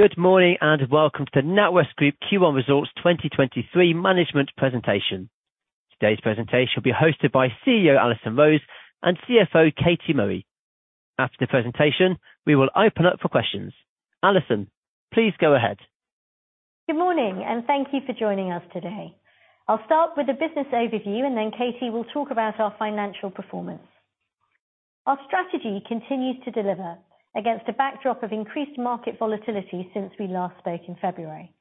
Good morning. Welcome to NatWest Group Q1 Results 2023 management presentation. Today's presentation will be hosted by CEO Alison Rose and CFO Katie Murray. After the presentation, we will open up for questions. Alison, please go ahead. Good morning. Thank you for joining us today. I'll start with the business overview, and then Katie will talk about our financial performance. Our strategy continues to deliver against a backdrop of increased market volatility since we last spoke in February.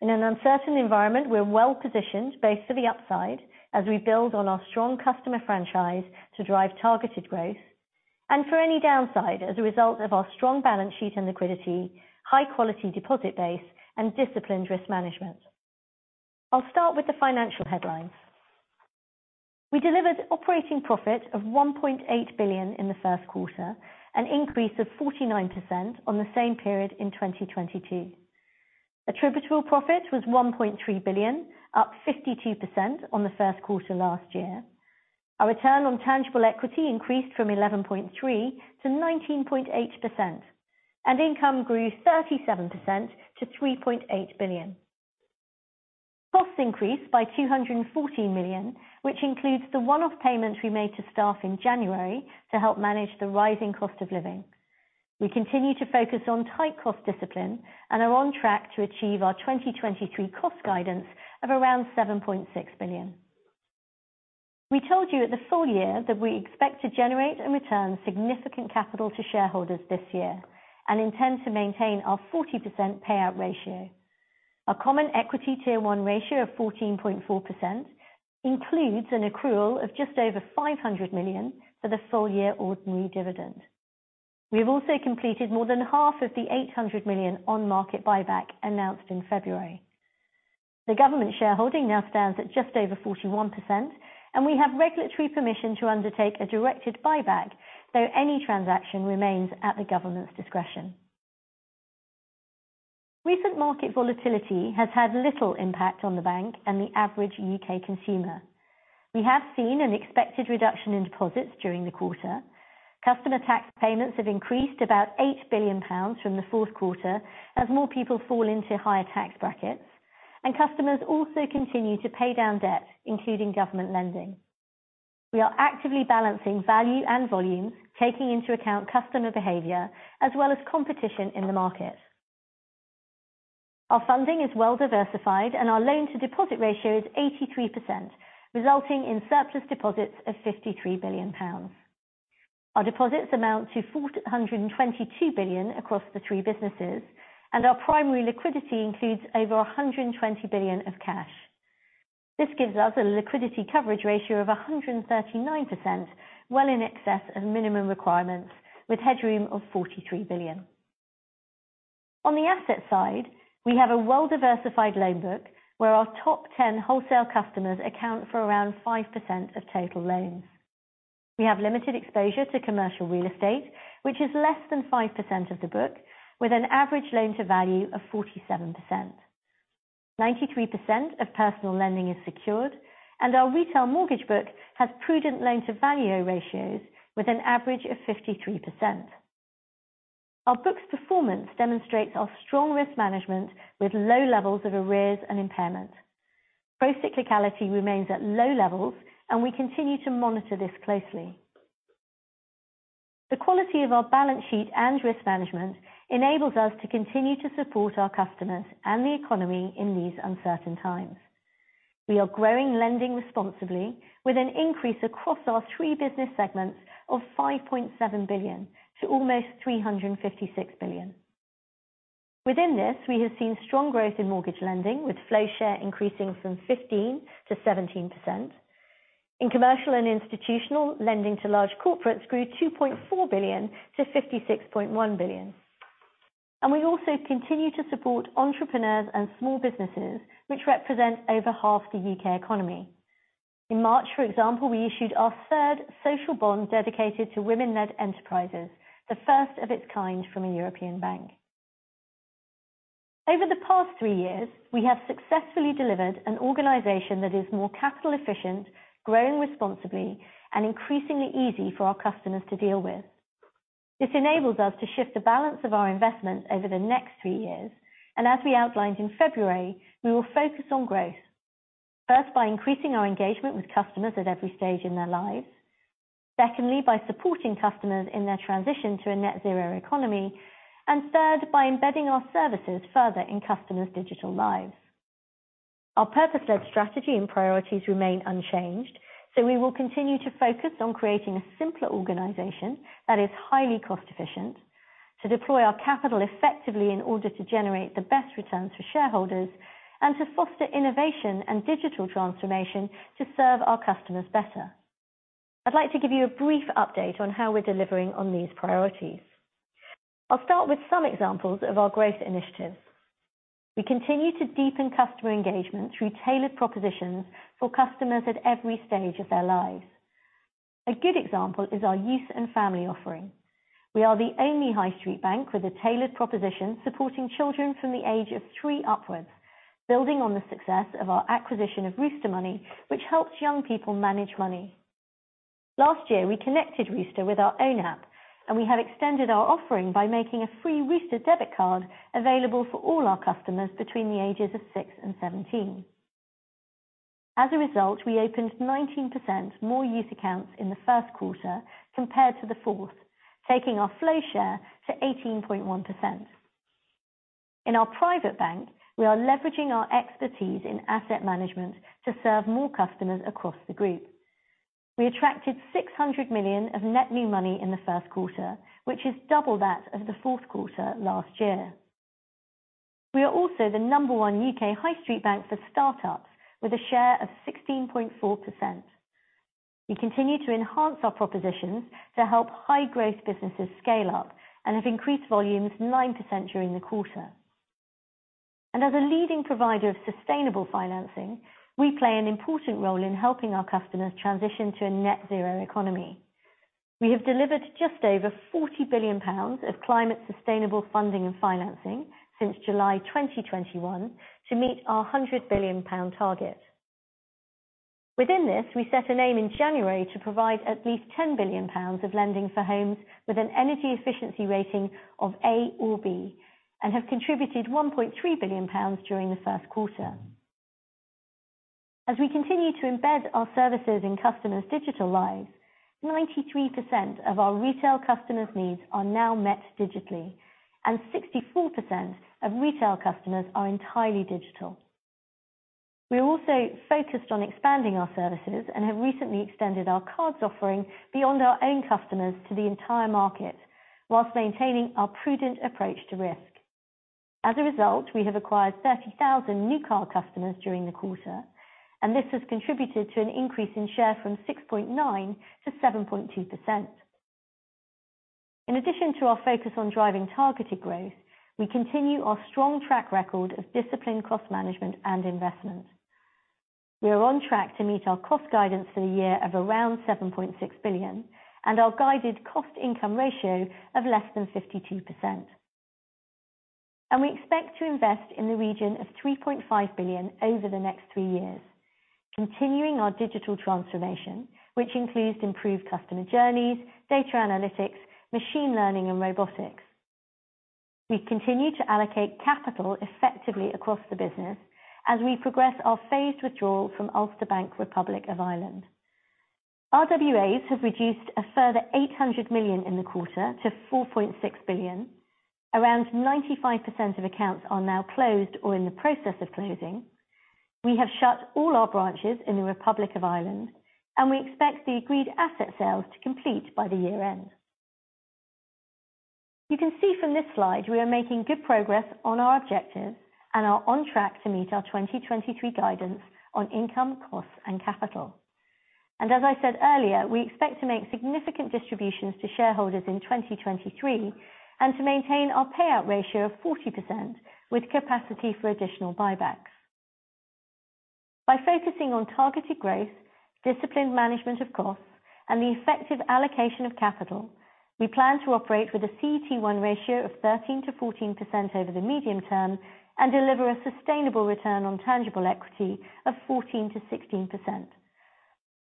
In an uncertain environment, we're well-positioned based on the upside as we build on our strong customer franchise to drive targeted growth, and for any downside as a result of our strong balance sheet and liquidity, high-quality deposit base, and disciplined risk management. I'll start with the financial headlines. We delivered operating profit of 1.8 billion in the first quarter, an increase of 49% on the same period in 2022. Attributable profit was 1.3 billion, up 52% on the first quarter last year. Our return on tangible equity increased from 11.3%-9.8%. Income grew 37% to 3.8 billion. Costs increased by 240 million, which includes the one-off payments we made to staff in January to help manage the rising cost of living. We continue to focus on tight cost discipline and are on track to achieve our 2023 cost guidance of around 7.6 billion. We told you at the full year that we expect to generate and return significant capital to shareholders this year and intend to maintain our 40% payout ratio. Our Common Equity Tier 1 ratio of 14.4% includes an accrual of just over 500 million for the full year ordinary dividend. We have also completed more than half of the 800 million on market buyback announced in February. The government shareholding now stands at just over 41%. We have regulatory permission to undertake a directed buyback, though any transaction remains at the government's discretion. Recent market volatility has had little impact on the bank and the average UK consumer. We have seen an expected reduction in deposits during the quarter. Customer tax payments have increased about 8 billion pounds from the fourth quarter as more people fall into higher tax brackets. Customers also continue to pay down debt, including government lending. We are actively balancing value and volume, taking into account customer behavior as well as competition in the market. Our funding is well diversified. Our loan-to-deposit ratio is 83%, resulting in surplus deposits of 53 billion pounds. Our deposits amount to 422 billion across the three businesses. Our primary liquidity includes over 120 billion of cash. This gives us a liquidity coverage ratio of 139%, well in excess of minimum requirements, with headroom of 43 billion. On the asset side, we have a well-diversified loan book where our top 10 wholesale customers account for around 5% of total loans. We have limited exposure to commercial real estate, which is less than 5% of the book, with an average loan-to-value of 47%. 93% of personal lending is secured. Our retail mortgage book has prudent loan-to-value ratios with an average of 53%. Our books performance demonstrates our strong risk management with low levels of arrears and impairment. Procyclicality remains at low levels. We continue to monitor this closely. The quality of our balance sheet and risk management enables us to continue to support our customers and the economy in these uncertain times. We are growing lending responsibly with an increase across our three business segments of 5.7 billion to almost 356 billion. Within this, we have seen strong growth in mortgage lending, with flow share increasing from 15%-17%. In commercial and institutional, lending to large corporates grew 2.4 billion-56.1 billion. We also continue to support entrepreneurs and small businesses, which represent over half The U.K. economy. In March, for example, we issued our third social bond dedicated to women-led enterprises, the first of its kind from a European bank. Over the past three years, we have successfully delivered an organization that is more capital efficient, growing responsibly, and increasingly easy for our customers to deal with. This enables us to shift the balance of our investment over the next three years. As we outlined in February, we will focus on growth, first, by increasing our engagement with customers at every stage in their lives. Secondly, by supporting customers in their transition to a net zero economy. Third, by embedding our services further in customers' digital lives. Our purpose-led strategy and priorities remain unchanged. We will continue to focus on creating a simpler organization that is highly cost efficient, to deploy our capital effectively in order to generate the best returns for shareholders, and to foster innovation and digital transformation to serve our customers better. I'd like to give you a brief update on how we're delivering on these priorities. I'll start with some examples of our growth initiatives. We continue to deepen customer engagement through tailored propositions for customers at every stage of their lives. A good example is our youth and family offering. We are the only High Street bank with a tailored proposition supporting children from the age of three upwards, building on the success of our acquisition of Rooster Money, which helps young people manage money. Last year, we connected Rooster with our own app and we have extended our offering by making a free Rooster debit card available for all our customers between the ages of six and 17. As a result, we opened 19% more youth accounts in the first quarter compared to the fourth, taking our flow share to 18.1%. In our private bank, we are leveraging our expertise in asset management to serve more customers across the group. We attracted 600 million of net new money in the first quarter, which is double that of the fourth quarter last year. We are also the number one UK high street bank for start-ups with a share of 16.4%. We continue to enhance our propositions to help high-growth businesses scale up and have increased volumes 9% during the quarter. As a leading provider of sustainable financing, we play an important role in helping our customers transition to a net zero economy. We have delivered just over 40 billion pounds of climate sustainable funding and financing since July 2021 to meet our 100 billion pound target. Within this, we set an aim in January to provide at least 10 billion pounds of lending for homes with an energy efficiency rating of A or B, and have contributed 1.3 billion pounds during the first quarter. As we continue to embed our services in customers' digital lives, 93% of our retail customers' needs are now met digitally, and 64% of retail customers are entirely digital. We are also focused on expanding our services and have recently extended our cards offering beyond our own customers to the entire market, while maintaining our prudent approach to risk. As a result, we have acquired 30,000 new card customers during the quarter, and this has contributed to an increase in share from 6.9%-7.2%. In addition to our focus on driving targeted growth, we continue our strong track record of disciplined cost management and investment. We are on track to meet our cost guidance for the year of around 7.6 billion and our guided cost income ratio of less than 52%. We expect to invest in the region of 3.5 billion over the next three years, continuing our digital transformation, which includes improved customer journeys, data analytics, machine learning, and robotics. We continue to allocate capital effectively across the business as we progress our phased withdrawal from Ulster Bank, Republic of Ireland. RWAs have reduced a further 800 million in the quarter to 4.6 billion. Around 95% of accounts are now closed or in the process of closing. We have shut all our branches in the Republic of Ireland, and we expect the agreed asset sales to complete by the year end. You can see from this slide we are making good progress on our objectives and are on track to meet our 2023 guidance on income, costs, and capital. As I said earlier, we expect to make significant distributions to shareholders in 2023 and to maintain our payout ratio of 40% with capacity for additional buybacks. By focusing on targeted growth, disciplined management of costs, and the effective allocation of capital, we plan to operate with a CET1 ratio of 13%-14% over the medium term and deliver a sustainable return on tangible equity of 14%-16%.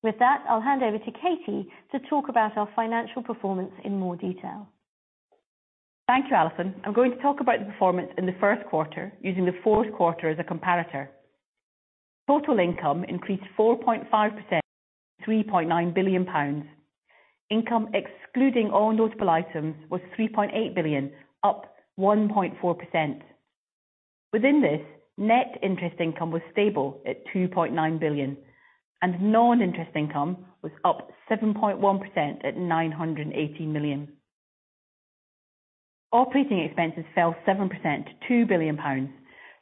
With that, I'll hand over to Katie to talk about our financial performance in more detail. Thank you, Alison. I'm going to talk about the performance in the first quarter using the fourth quarter as a comparator. Total income increased 4.5%, 3.9 billion pounds. Income excluding all notable items was 3.8 billion, up 1.4%. Within this, net interest income was stable at 2.9 billion, and non-interest income was up 7.1% at 980 million. Operating expenses fell 7% to 2 billion pounds,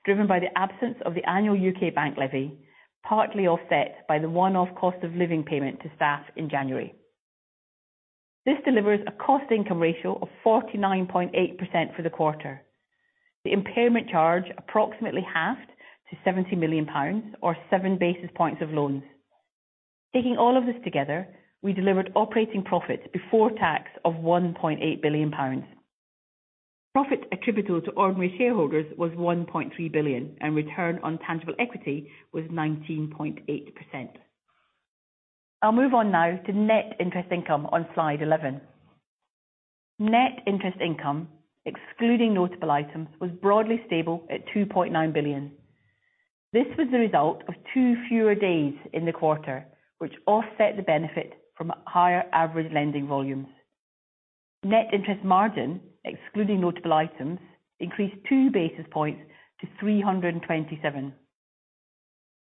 driven by the absence of the annual UK bank levy, partly offset by the one-off cost of living payment to staff in January. This delivers a cost income ratio of 49.8% for the quarter. The impairment charge approximately halved to 70 million pounds, or 7 basis points of loans. Taking all of this together, we delivered operating profits before tax of 1.8 billion pounds. Profit attributable to ordinary shareholders was 1.3 billion, and return on tangible equity was 19.8%. I'll move on now to net interest income on slide 11. Net interest income, excluding notable items, was broadly stable at 2.9 billion. This was the result of two fewer days in the quarter, which offset the benefit from higher average lending volumes. Net interest margin, excluding notable items, increased 2 basis points-327 basis points.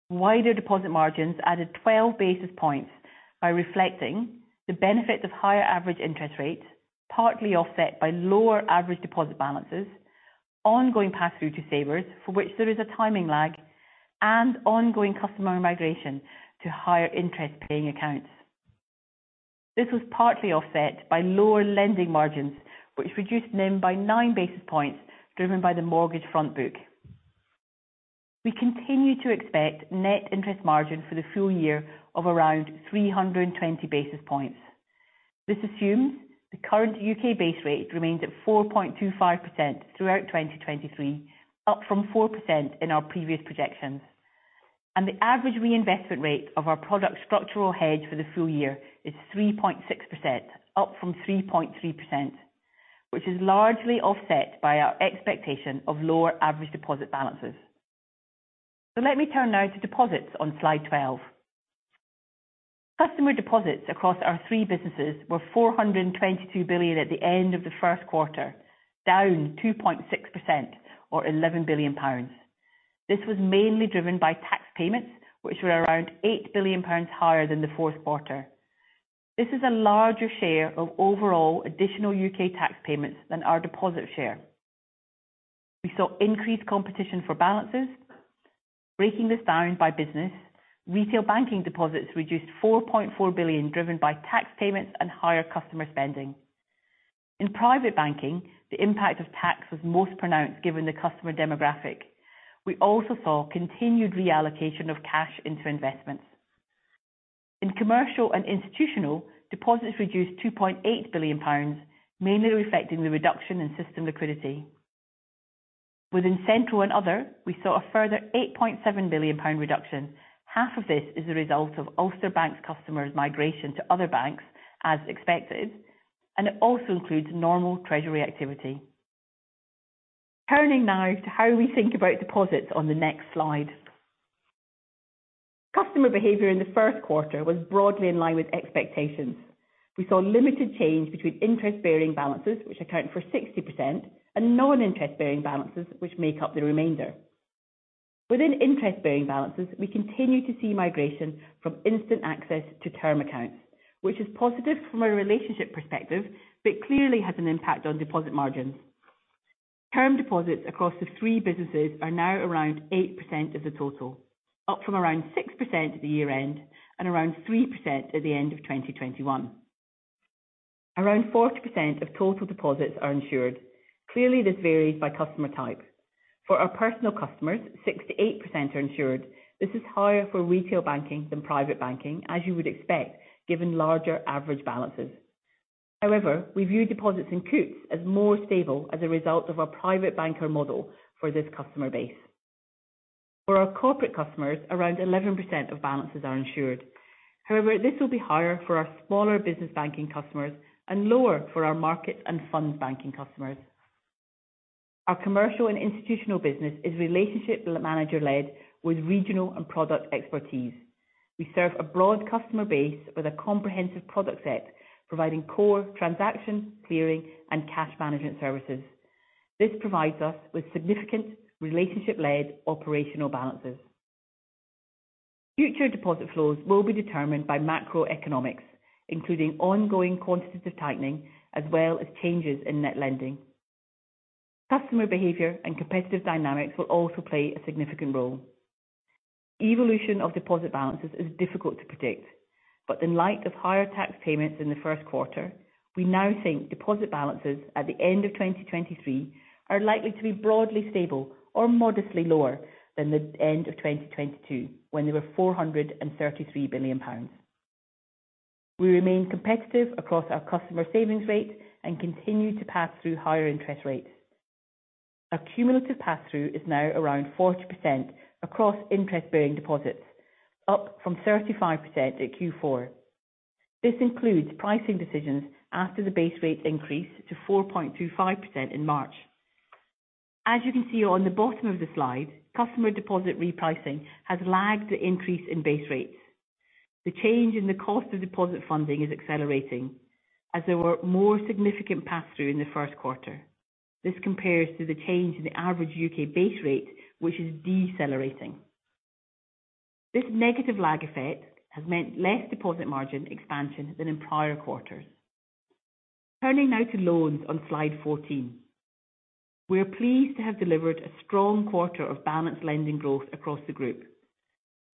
Wider deposit margins added 12 basis points by reflecting the benefits of higher average interest rates, partly offset by lower average deposit balances, ongoing pass-through to savers for which there is a timing lag, and ongoing customer migration to higher interest-paying accounts. This was partly offset by lower lending margins, which reduced NIM by 9 basis points driven by the mortgage front book. We continue to expect NIM for the full year of around 320 basis points. This assumes the current UK base rate remains at 4.25% throughout 2023, up from 4% in our previous projections. The average reinvestment rate of our product structural hedge for the full year is 3.6%, up from 3.3%, which is largely offset by our expectation of lower average deposit balances. Let me turn now to deposits on slide 12. Customer deposits across our three businesses were 422 billion at the end of the first quarter, down 2.6% or 11 billion pounds. This was mainly driven by tax payments, which were around 8 billion pounds higher than the fourth quarter. This is a larger share of overall additional U.K. tax payments than our deposit share. We saw increased competition for balances. Breaking this down by business, retail banking deposits reduced 4.4 billion, driven by tax payments and higher customer spending. In private banking, the impact of tax was most pronounced given the customer demographic. We also saw continued reallocation of cash into investments. In commercial and institutional, deposits reduced 2.8 billion pounds, mainly reflecting the reduction in system liquidity. Within central and other, we saw a further 8.7 billion pound reduction. Half of this is the result of Ulster Bank customers' migration to other banks as expected, and it also includes normal treasury activity. Turning now to how we think about deposits on the next slide. Customer behavior in the first quarter was broadly in line with expectations. We saw limited change between Interest Bearing Balances, which account for 60%, and Non-Interest Bearing Balances, which make up the remainder. Within Interest Bearing Balances, we continue to see migration from instant access to term accounts, which is positive from a relationship perspective, but clearly has an impact on deposit margins. Term deposits across the three businesses are now around 8% of the total, up from around 6% at the year-end and around 3% at the end of 2021. Around 40% of total deposits are insured. Clearly, this varies by customer type. For our personal customers, 6%-8% are insured. This is higher for retail banking than private banking, as you would expect, given larger average balances. We view deposits in Coutts as more stable as a result of our private banker model for this customer base. For our corporate customers, around 11% of balances are insured. This will be higher for our smaller business banking customers and lower for our market and fund banking customers. Our commercial and institutional business is relationship manager-led with regional and product expertise. We serve a broad customer base with a comprehensive product set, providing core transaction, clearing, and cash management services. This provides us with significant relationship-led operational balances. Future deposit flows will be determined by macroeconomics, including ongoing quantitative tightening as well as changes in net lending. Customer behavior and competitive dynamics will also play a significant role. Evolution of deposit balances is difficult to predict, but in light of higher tax payments in the first quarter, we now think deposit balances at the end of 2023 are likely to be broadly stable or modestly lower than the end of 2022, when they were 433 billion pounds. We remain competitive across our customer savings rate and continue to pass through higher interest rates. Our cumulative pass-through is now around 40% across interest-bearing deposits, up from 35% at Q4. This includes pricing decisions after the base rate increase to 4.25% in March. As you can see on the bottom of the slide, customer deposit repricing has lagged the increase in base rates. The change in the cost of deposit funding is accelerating as there were more significant pass-through in the first quarter. This compares to the change in the average UK base rate, which is decelerating. This negative lag effect has meant less deposit margin expansion than in prior quarters. Turning now to loans on slide 14. We are pleased to have delivered a strong quarter of balanced lending growth across the group.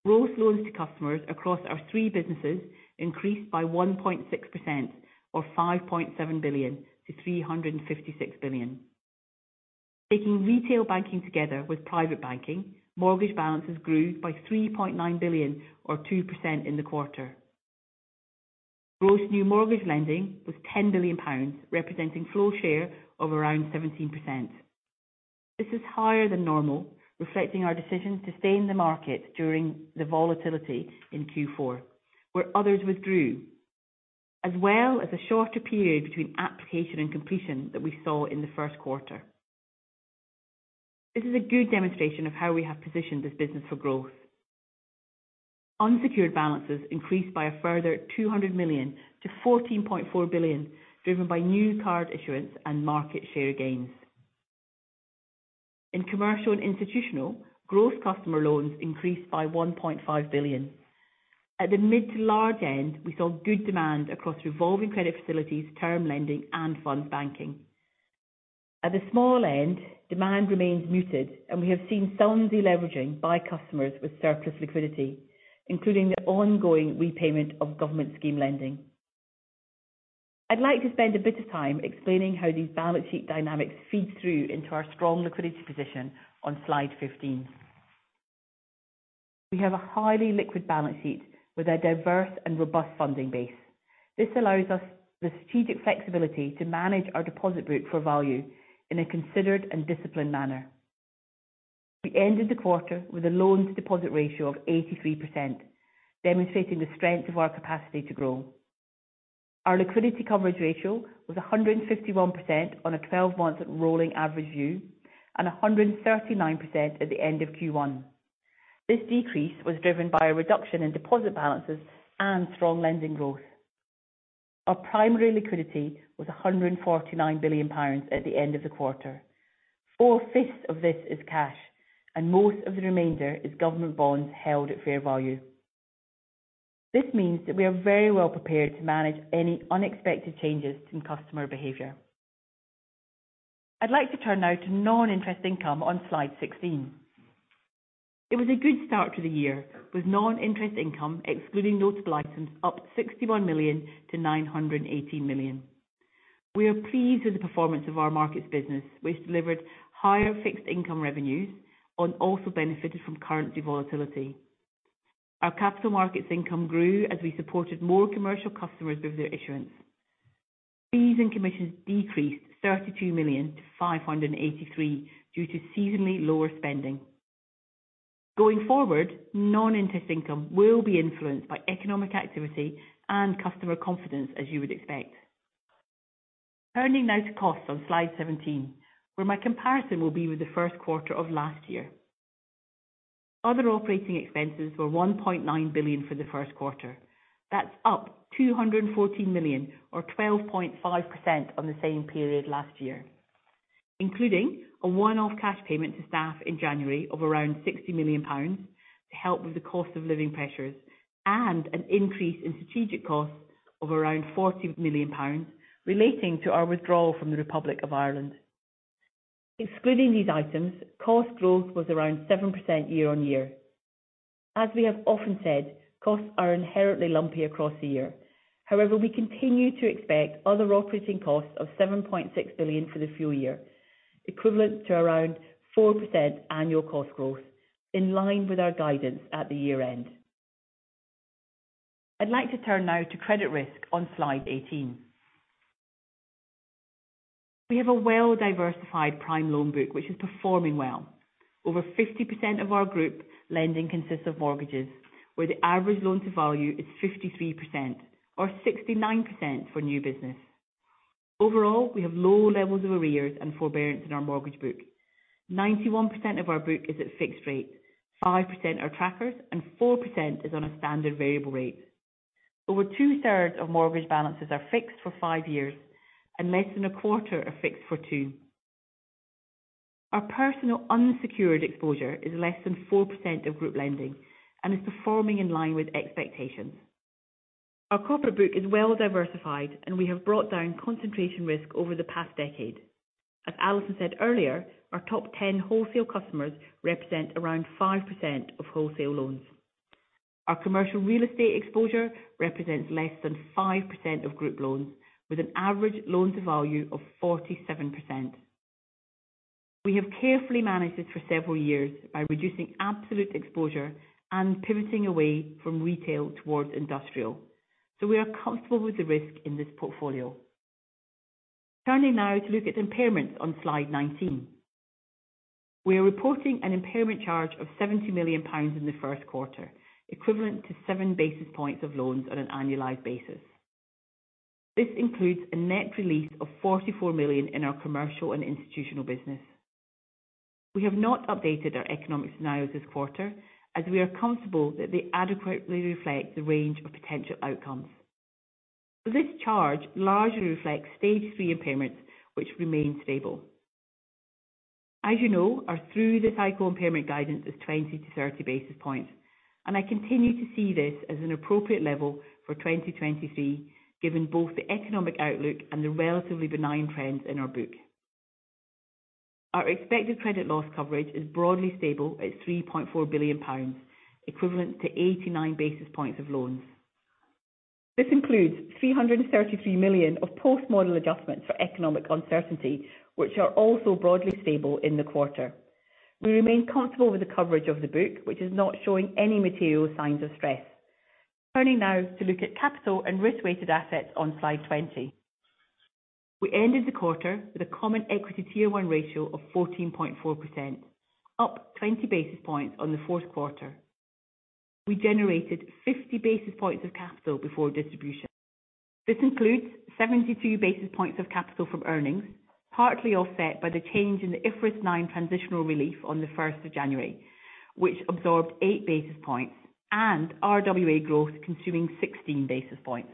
Gross loans to customers across our three businesses increased by 1.6% or 5.7 billion-356 billion. Taking retail banking together with private banking, mortgage balances grew by 3.9 billion or 2% in the quarter. Gross new mortgage lending was 10 billion pounds, representing flow share of around 17%. This is higher than normal, reflecting our decision to stay in the market during the volatility in Q4, where others withdrew, as well as a shorter period between application and completion that we saw in the first quarter. This is a good demonstration of how we have positioned this business for growth. Unsecured balances increased by a further 200 million-14.4 billion, driven by new card issuance and market share gains. In commercial and institutional, gross customer loans increased by 1.5 billion. At the mid to large end, we saw good demand across revolving credit facilities, term lending, and fund banking. At the small end, demand remains muted, and we have seen some deleveraging by customers with surplus liquidity, including the ongoing repayment of government scheme lending. I'd like to spend a bit of time explaining how these balance sheet dynamics feed through into our strong liquidity position on slide 15. We have a highly liquid balance sheet with a diverse and robust funding base. This allows us the strategic flexibility to manage our deposit route for value in a considered and disciplined manner. We ended the quarter with a loans deposit ratio of 83%, demonstrating the strength of our capacity to grow. Our liquidity coverage ratio was 151% on a 12-month rolling average view and 139% at the end of Q1. This decrease was driven by a reduction in deposit balances and strong lending growth. Our primary liquidity was 149 billion pounds at the end of the quarter. Four-fifths of this is cash, and most of the remainder is government bonds held at fair value. This means that we are very well prepared to manage any unexpected changes in customer behavior. I'd like to turn now to non-interest income on slide 16. It was a good start to the year, with non-interest income, excluding notable items, up 61 million-918 million. We are pleased with the performance of our markets business, which delivered higher fixed-income revenues and also benefited from currency volatility. Our capital markets income grew as we supported more commercial customers with their issuance. Fees and commissions decreased 32 million-583 million due to seasonally lower spending. Going forward, non-interest income will be influenced by economic activity and customer confidence, as you would expect. Turning now to costs on slide 17, where my comparison will be with the first quarter of last year. Other operating expenses were 1.9 billion for the first quarter. That's up 214 million or 12.5% on the same period last year, including a one-off cash payment to staff in January of around 60 million pounds to help with the cost of living pressures and an increase in strategic costs of around 40 million pounds relating to our withdrawal from the Republic of Ireland. Excluding these items, cost growth was around 7% year-on-year. As we have often said, costs are inherently lumpy across the year. We continue to expect other operating costs of 7.6 billion for the full year, equivalent to around 4% annual cost growth in line with our guidance at the year-end. I'd like to turn now to credit risk on slide 18. We have a well-diversified prime loan book which is performing well. Over 50% of our group lending consists of mortgages, where the average loan to value is 53% or 69% for new business. Overall, we have low levels of arrears and forbearance in our mortgage book. 91% of our book is at fixed rate, 5% are trackers, and 4% is on a standard variable rate. Over two-thirds of mortgage balances are fixed for five years and less than a quarter are fixed for two Our personal unsecured exposure is less than 4% of group lending and is performing in line with expectations. Our corporate book is well diversified, and we have brought down concentration risk over the past decade. As Allison said earlier, our top 10 wholesale customers represent around 5% of wholesale loans. Our commercial real estate exposure represents less than 5% of group loans with an average loan to value of 47%. We have carefully managed it for several years by reducing absolute exposure and pivoting away from retail towards industrial. We are comfortable with the risk in this portfolio. Turning now to look at impairments on slide 19. We are reporting an impairment charge of 70 million pounds in the first quarter, equivalent to 7 basis points of loans on an annualized basis. This includes a net release of 44 million in our commercial and institutional business. We have not updated our economic scenarios this quarter, as we are comfortable that they adequately reflect the range of potential outcomes. This charge largely reflects Stage 3 impairments, which remain stable. As you know, our through-the-cycle impairment guidance is 20 basis points-30 basis points, and I continue to see this as an appropriate level for 2023, given both the economic outlook and the relatively benign trends in our book. Our expected credit loss coverage is broadly stable at 3.4 billion pounds, equivalent to 89 basis points of loans. This includes 333 million of post-model adjustments for economic uncertainty, which are also broadly stable in the quarter. We remain comfortable with the coverage of the book, which is not showing any material signs of stress. Turning now to look at capital and risk-weighted assets on slide 20. We ended the quarter with a Common Equity Tier 1 ratio of 14.4%, up 20 basis points on the fourth quarter. We generated 50 basis points of capital before distribution. This includes 72 basis points of capital from earnings, partly offset by the change in the IFRS 9 transitional relief on the 1st of January, which absorbed 8 basis points and RWA growth consuming 16 basis points.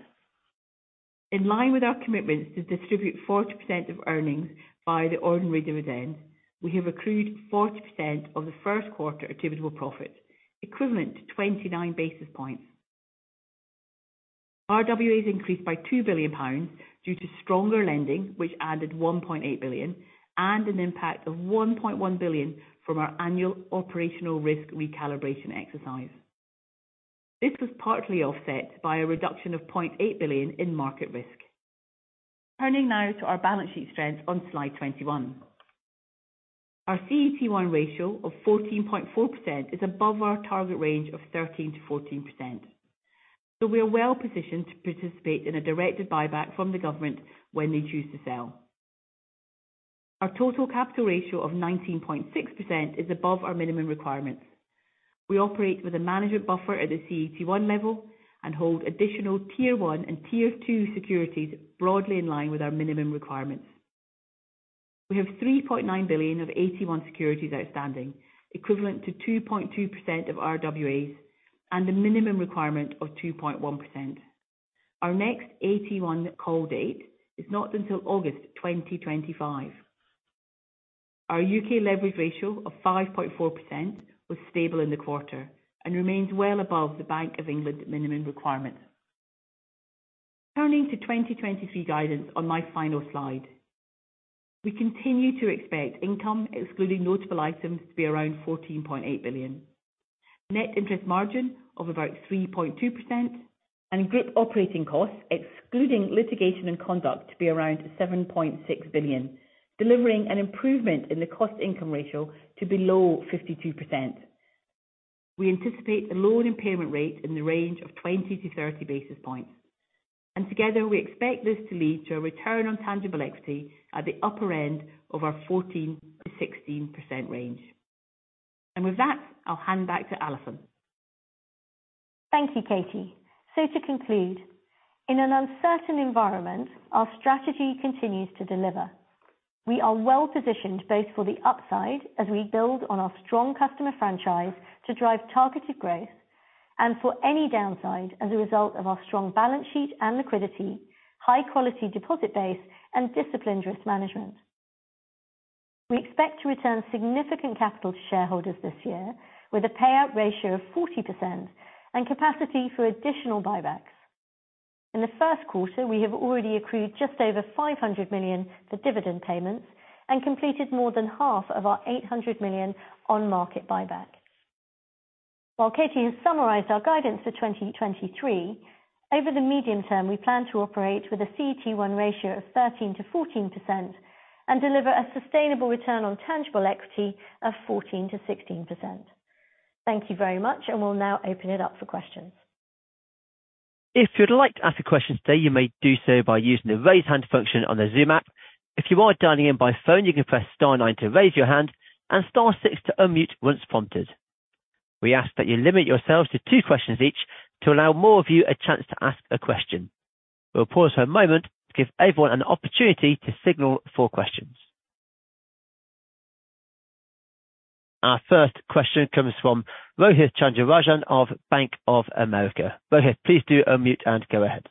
In line with our commitments to distribute 40% of earnings via the ordinary dividend, we have accrued 40% of the first quarter attributable profit, equivalent to 29 basis points. RWAs increased by 2 billion pounds due to stronger lending, which added 1.8 billion and an impact of 1.1 billion from our annual operational risk recalibration exercise. This was partly offset by a reduction of 0.8 billion in market risk. Turning now to our balance sheet strength on slide 21. Our CET1 ratio of 14.4% is above our target range of 13%-14%. We are well-positioned to participate in a directed buyback from the government when they choose to sell. Our total capital ratio of 19.6% is above our minimum requirements. We operate with a management buffer at the CET1 level and hold additional Tier 1 and Tier 2 securities broadly in line with our minimum requirements. We have 3.9 billion of AT1 securities outstanding, equivalent to 2.2% of RWAs and the minimum requirement of 2.1%. Our next AT1 call date is not until August 2025. Our U.K. leverage ratio of 5.4% was stable in the quarter and remains well above the Bank of England minimum requirement. Turning to 2023 guidance on my final slide. We continue to expect income, excluding notable items, to be around 14.8 billion. Net interest margin of about 3.2% and group operating costs, excluding litigation and conduct, to be around 7.6 billion, delivering an improvement in the cost income ratio to below 52%. We anticipate the loan impairment rate in the range of 20 basis points-30 basis points. Together, we expect this to lead to a return on tangible equity at the upper end of our 14%-16% range. With that, I'll hand back to Alison. To conclude, in an uncertain environment, our strategy continues to deliver. We are well-positioned both for the upside as we build on our strong customer franchise to drive targeted growth and for any downside as a result of our strong balance sheet and liquidity, high quality deposit base, and disciplined risk management. We expect to return significant capital to shareholders this year with a payout ratio of 40% and capacity for additional buybacks. In the first quarter, we have already accrued just over 500 million for dividend payments and completed more than half of our 800 million on market buyback. While Katie has summarized our guidance for 2023, over the medium term, we plan to operate with a CET1 ratio of 13%-14% and deliver a sustainable return on tangible equity of 14%-16%. Thank you very much, and we'll now open it up for questions. If you'd like to ask a question today, you may do so by using the Raise Hand function on the Zoom app. If you are dialing in by phone, you can press star nine to raise your hand and star six to unmute once prompted. We ask that you limit yourselves to two questions each to allow more of you a chance to ask a question. We'll pause for a moment to give everyone an opportunity to signal for questions. Our first question comes from Rohith Chandrarajan of Bank of America. Rohith, please do unmute and go ahead.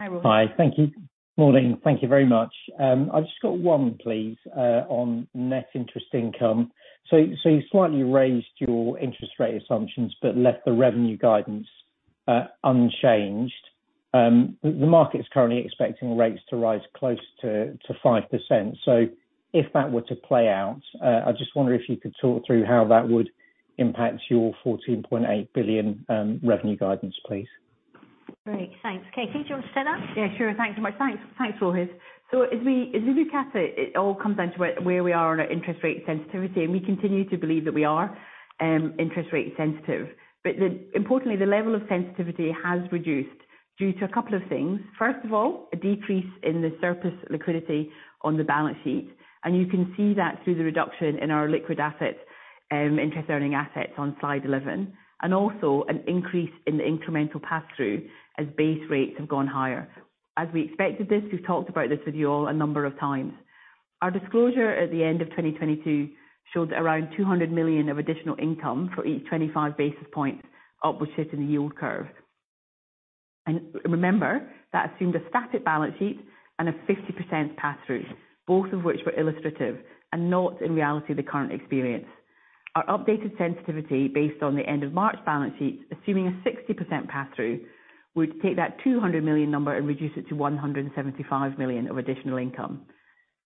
Hi, Rohith. Hi. Thank you. Morning. Thank you very much. I've just got one, please, on net interest income. You slightly raised your interest rate assumptions but left the revenue guidance unchanged. The market is currently expecting rates to rise close to 5%. If that were to play out, I just wonder if you could talk through how that would impact your 14.8 billion revenue guidance, please. Great. Thanks. Katie, do you want to start off? Yeah, sure. Thanks so much. Thanks. Thanks, Rohith. As we look at it all comes down to where we are on our interest rate sensitivity, and we continue to believe that we are interest rate sensitive. Importantly, the level of sensitivity has reduced due to a couple of things. First of all, a decrease in the surplus liquidity on the balance sheet, and you can see that through the reduction in our liquid assets, interest earning assets on slide 11. Also an increase in the incremental pass-through as base rates have gone higher. As we expected this, we've talked about this with you all a number of times. Our disclosure at the end of 2022 showed around 200 million of additional income for each 25 basis points upward shift in the yield curve. Remember, that assumed a static balance sheet and a 50% pass-through, both of which were illustrative and not in reality the current experience. Our updated sensitivity based on the end of March balance sheet, assuming a 60% pass-through, would take that 200 million number and reduce it to 175 million of additional income.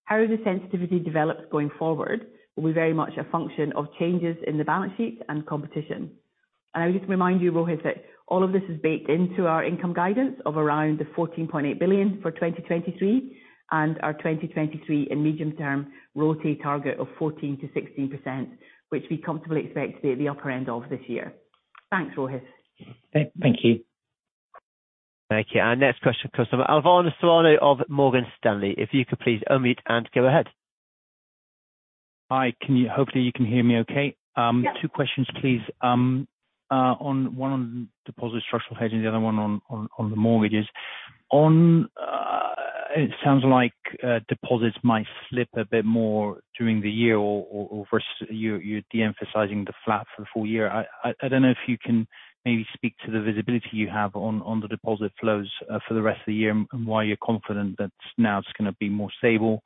How the sensitivity develops going forward will be very much a function of changes in the balance sheet and competition. I would just remind you, Rohit, that all of this is baked into our income guidance of around the 14.8 billion for 2023 and our 2023 and medium term ROTCE target of 14%-16%, which we comfortably expect to be at the upper end of this year. Thanks, Rohith. Thank you. Thank you. Our next question comes from Alvaro Serrano of Morgan Stanley. If you could please unmute and go ahead. Hi. Can you? Hopefully you can hear me okay. Yeah. Two questions, please. One on deposit structural hedging, the other one on the mortgages. It sounds like deposits might slip a bit more during the year or you're de-emphasizing the flat for the full year. I don't know if you can maybe speak to the visibility you have on the deposit flows for the rest of the year and why you're confident that now it's gonna be more stable.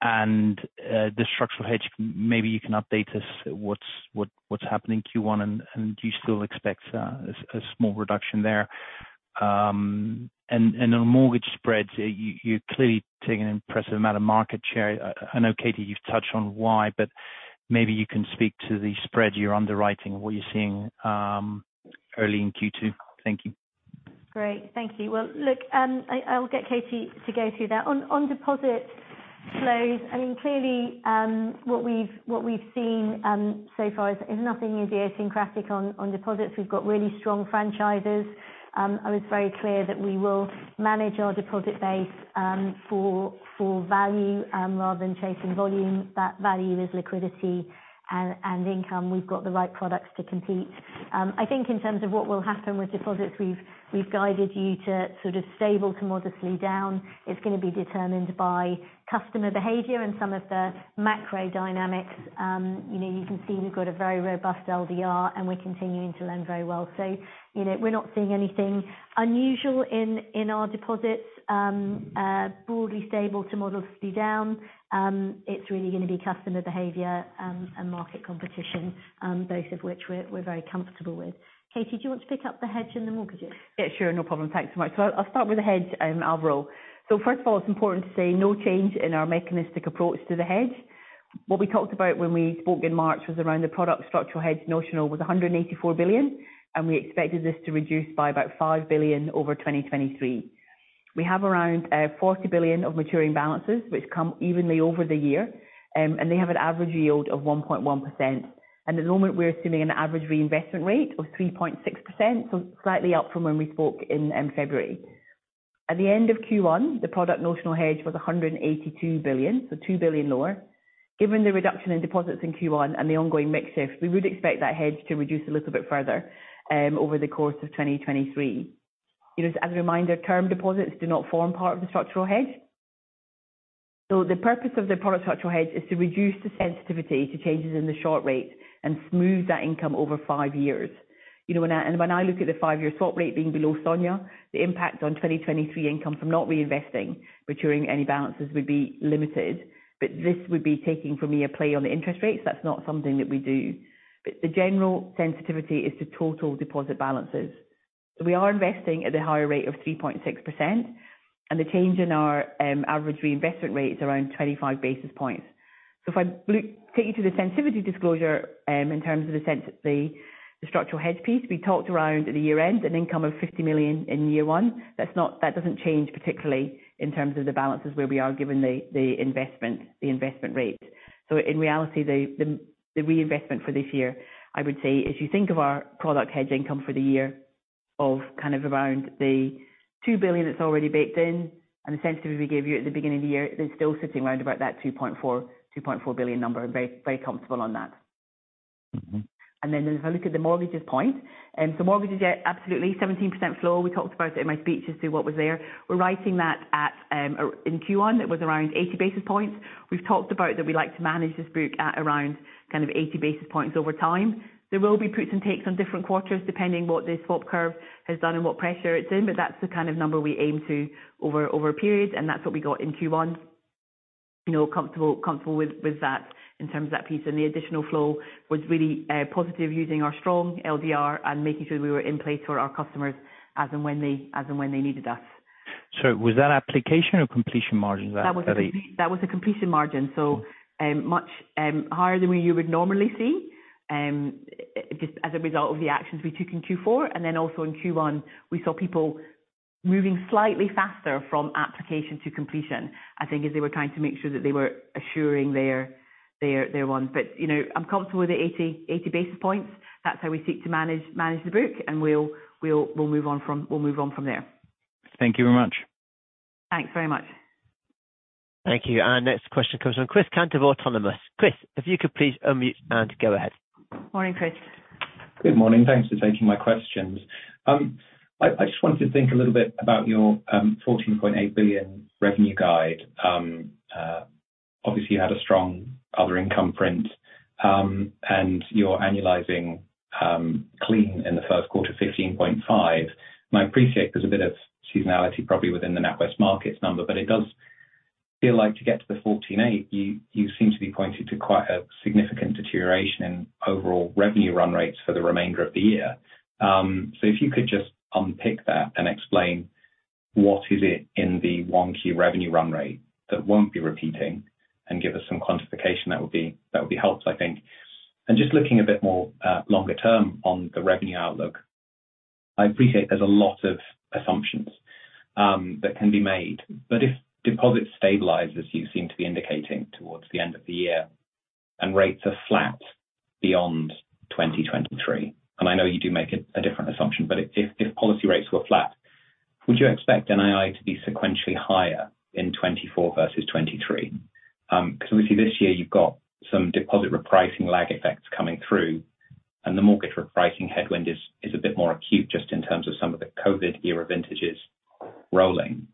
The structural hedge, maybe you can update us what's happened in Q1 and do you still expect a small reduction there? On mortgage spreads, you're clearly taking an impressive amount of market share. I know Katie, you've touched on why, but maybe you can speak to the spread you're underwriting, what you're seeing early in Q2. Thank you. Great. Thank you. Well, look, I will get Katie to go through that. On deposit flows, I mean, clearly, what we've seen, so far is nothing idiosyncratic on deposits. We've got really strong franchises. I was very clear that we will manage our deposit base for value, rather than chasing volume. That value is liquidity and income. We've got the right products to compete. I think in terms of what will happen with deposits, we've guided you to sort of stable to modestly down. It's gonna be determined by customer behavior and some of the macro dynamics. You know, you can see we've got a very robust LDR, and we're continuing to lend very well. You know, we're not seeing anything unusual in our deposits. Broadly stable to modestly down. it's really gonna be customer behavior, and market competition, both of which we're very comfortable with. Katie, do you want to pick up the hedge and the mortgages? Yeah, sure. No problem. Thanks so much. I'll start with the hedge, overall. First of all, it's important to say no change in our mechanistic approach to the hedge. What we talked about when we spoke in March was around the product structural hedge notional was 184 billion, and we expected this to reduce by about 5 billion over 2023. We have around 40 billion of maturing balances which come evenly over the year, and they have an average yield of 1.1%. At the moment we're assuming an average reinvestment rate of 3.6%, so slightly up from when we spoke in February. At the end of Q1, the product notional hedge was 182 billion, so 2 billion lower. Given the reduction in deposits in Q1 and the ongoing mix shift, we would expect that hedge to reduce a little bit further over the course of 2023. You know, as a reminder, term deposits do not form part of the structural hedge. The purpose of the product structural hedge is to reduce the sensitivity to changes in the short rate and smooth that income over five years. You know, when I look at the 5-year swap rate being below SONIA, the impact on 2023 income from not reinvesting maturing any balances would be limited. This would be taking from me a play on the interest rates. That's not something that we do. The general sensitivity is to total deposit balances. We are investing at the higher rate of 3.6%, the change in our average reinvestment rate is around 25 basis points. If I take you to the sensitivity disclosure, in terms of the structural hedge piece, we talked around at the year-end an income of 50 million in year one. That doesn't change particularly in terms of the balances where we are given the investment rate. In reality, the reinvestment for this year, I would say if you think of our product hedge income for the year of kind of around 2 billion that's already baked in and the sensitivity we gave you at the beginning of the year, they're still sitting around about that 2.4 billion number. Very comfortable on that. Mm-hmm. If I look at the mortgages point, mortgages, yeah, absolutely 17% flow. We talked about it in my speech as to what was there. We're writing that at, or in Q1, it was around 80 basis points. We've talked about that we like to manage this book at around kind of 80 basis points over time. There will be puts and takes on different quarters depending what the swap curve has done and what pressure it's in, but that's the kind of number we aim to over a period, and that's what we got in Q1. You know, comfortable with that in terms of that piece. The additional flow was really positive using our strong LDR and making sure we were in place for our customers as and when they needed us. Was that application or completion margin that? That was a completion margin. Much higher than what you would normally see just as a result of the actions we took in Q4. Also in Q1, we saw people moving slightly faster from application to completion, I think as they were trying to make sure that they were assuring their ones. You know, I'm comfortable with the 80 basis points. That's how we seek to manage the book, and we'll move on from there. Thank you very much. Thanks very much. Thank you. Our next question comes from Chris Cant of Autonomous. Chris, if you could please unmute and go ahead. Morning, Chris. Good morning. Thanks for taking my questions. I just wanted to think a little bit about your 14.8 billion revenue guide. Obviously you had a strong other income print, and you're annualizing clean in the first quarter 15.5 billion. I appreciate there's a bit of seasonality probably within the NatWest Markets number, but it does feel like to get to the, you seem to be pointing to quite a significant deterioration in overall revenue run rates for the remainder of the year. If you could just unpick that and explain what is it in the one key revenue run rate that won't be repeating and give us some quantification, that would be helpful, I think. Just looking a bit more longer term on the revenue outlook, I appreciate there's a lot of assumptions that can be made. If deposits stabilize, as you seem to be indicating towards the end of the year, and rates are flat beyond 2023, and I know you do make a different assumption, but if policy rates were flat, would you expect NII to be sequentially higher in 2024 versus 2023? 'Cause obviously this year you've got some deposit repricing lag effects coming through, and the mortgage repricing headwind is a bit more acute just in terms of some of the COVID era vintages rolling.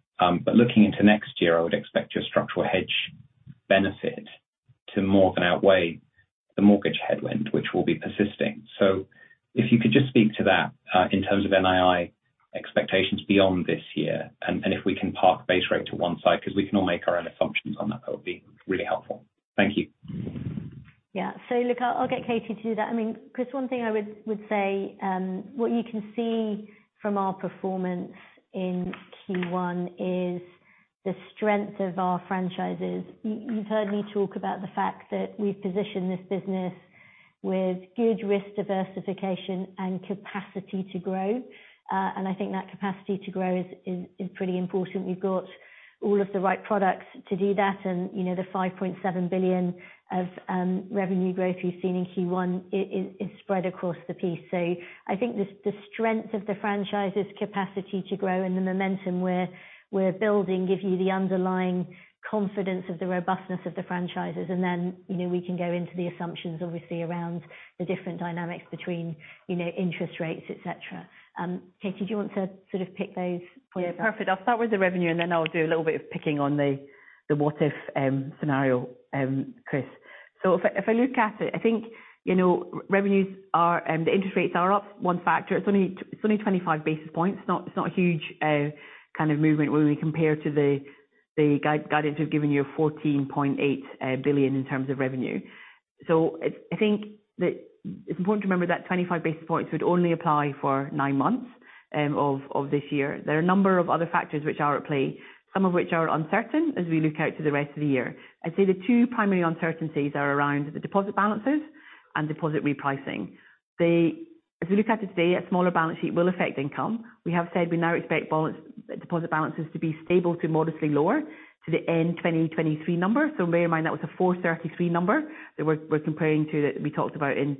Looking into next year, I would expect your structural hedge benefit to more than outweigh the mortgage headwind, which will be persisting. If you could just speak to that, in terms of NII expectations beyond this year, and if we can park base rate to one side, 'cause we can all make our own assumptions on that would be really helpful. Thank you. Look, I'll get Katie Murray to do that. I mean, Chris Cant, one thing I would say, what you can see from our performance in Q1 is the strength of our franchises. You've heard me talk about the fact that we've positioned this business with good risk diversification and capacity to grow. I think that capacity to grow is pretty important. We've got all of the right products to do that and, you know, the 5.7 billion of revenue growth you've seen in Q1 is spread across the piece. I think the strength of the franchise's capacity to grow and the momentum we're building gives you the underlying confidence of the robustness of the franchises. We can go into the assumptions obviously around the different dynamics between, you know, interest rates, et cetera. Katie, do you want to sort of pick those points up? Yeah, perfect. I'll start with the revenue, and then I'll do a little bit of picking on the what if scenario, Chris. If I look at it, I think, you know, revenues are. The interest rates are up one factor. It's only 25 basis points. It's not a huge kind of movement when we compare to the guidance we've given you of 14.8 billion in terms of revenue. I think that it's important to remember that 25 basis points would only apply for nine months of this year. There are a number of other factors which are at play, some of which are uncertain as we look out to the rest of the year. I'd say the two primary uncertainties are around the deposit balances and deposit repricing. As we look at it today, a smaller balance sheet will affect income. We have said we now expect deposit balances to be stable to modestly lower to the end of 2023 number. Bear in mind that was a 433 number that we're comparing to that we talked about in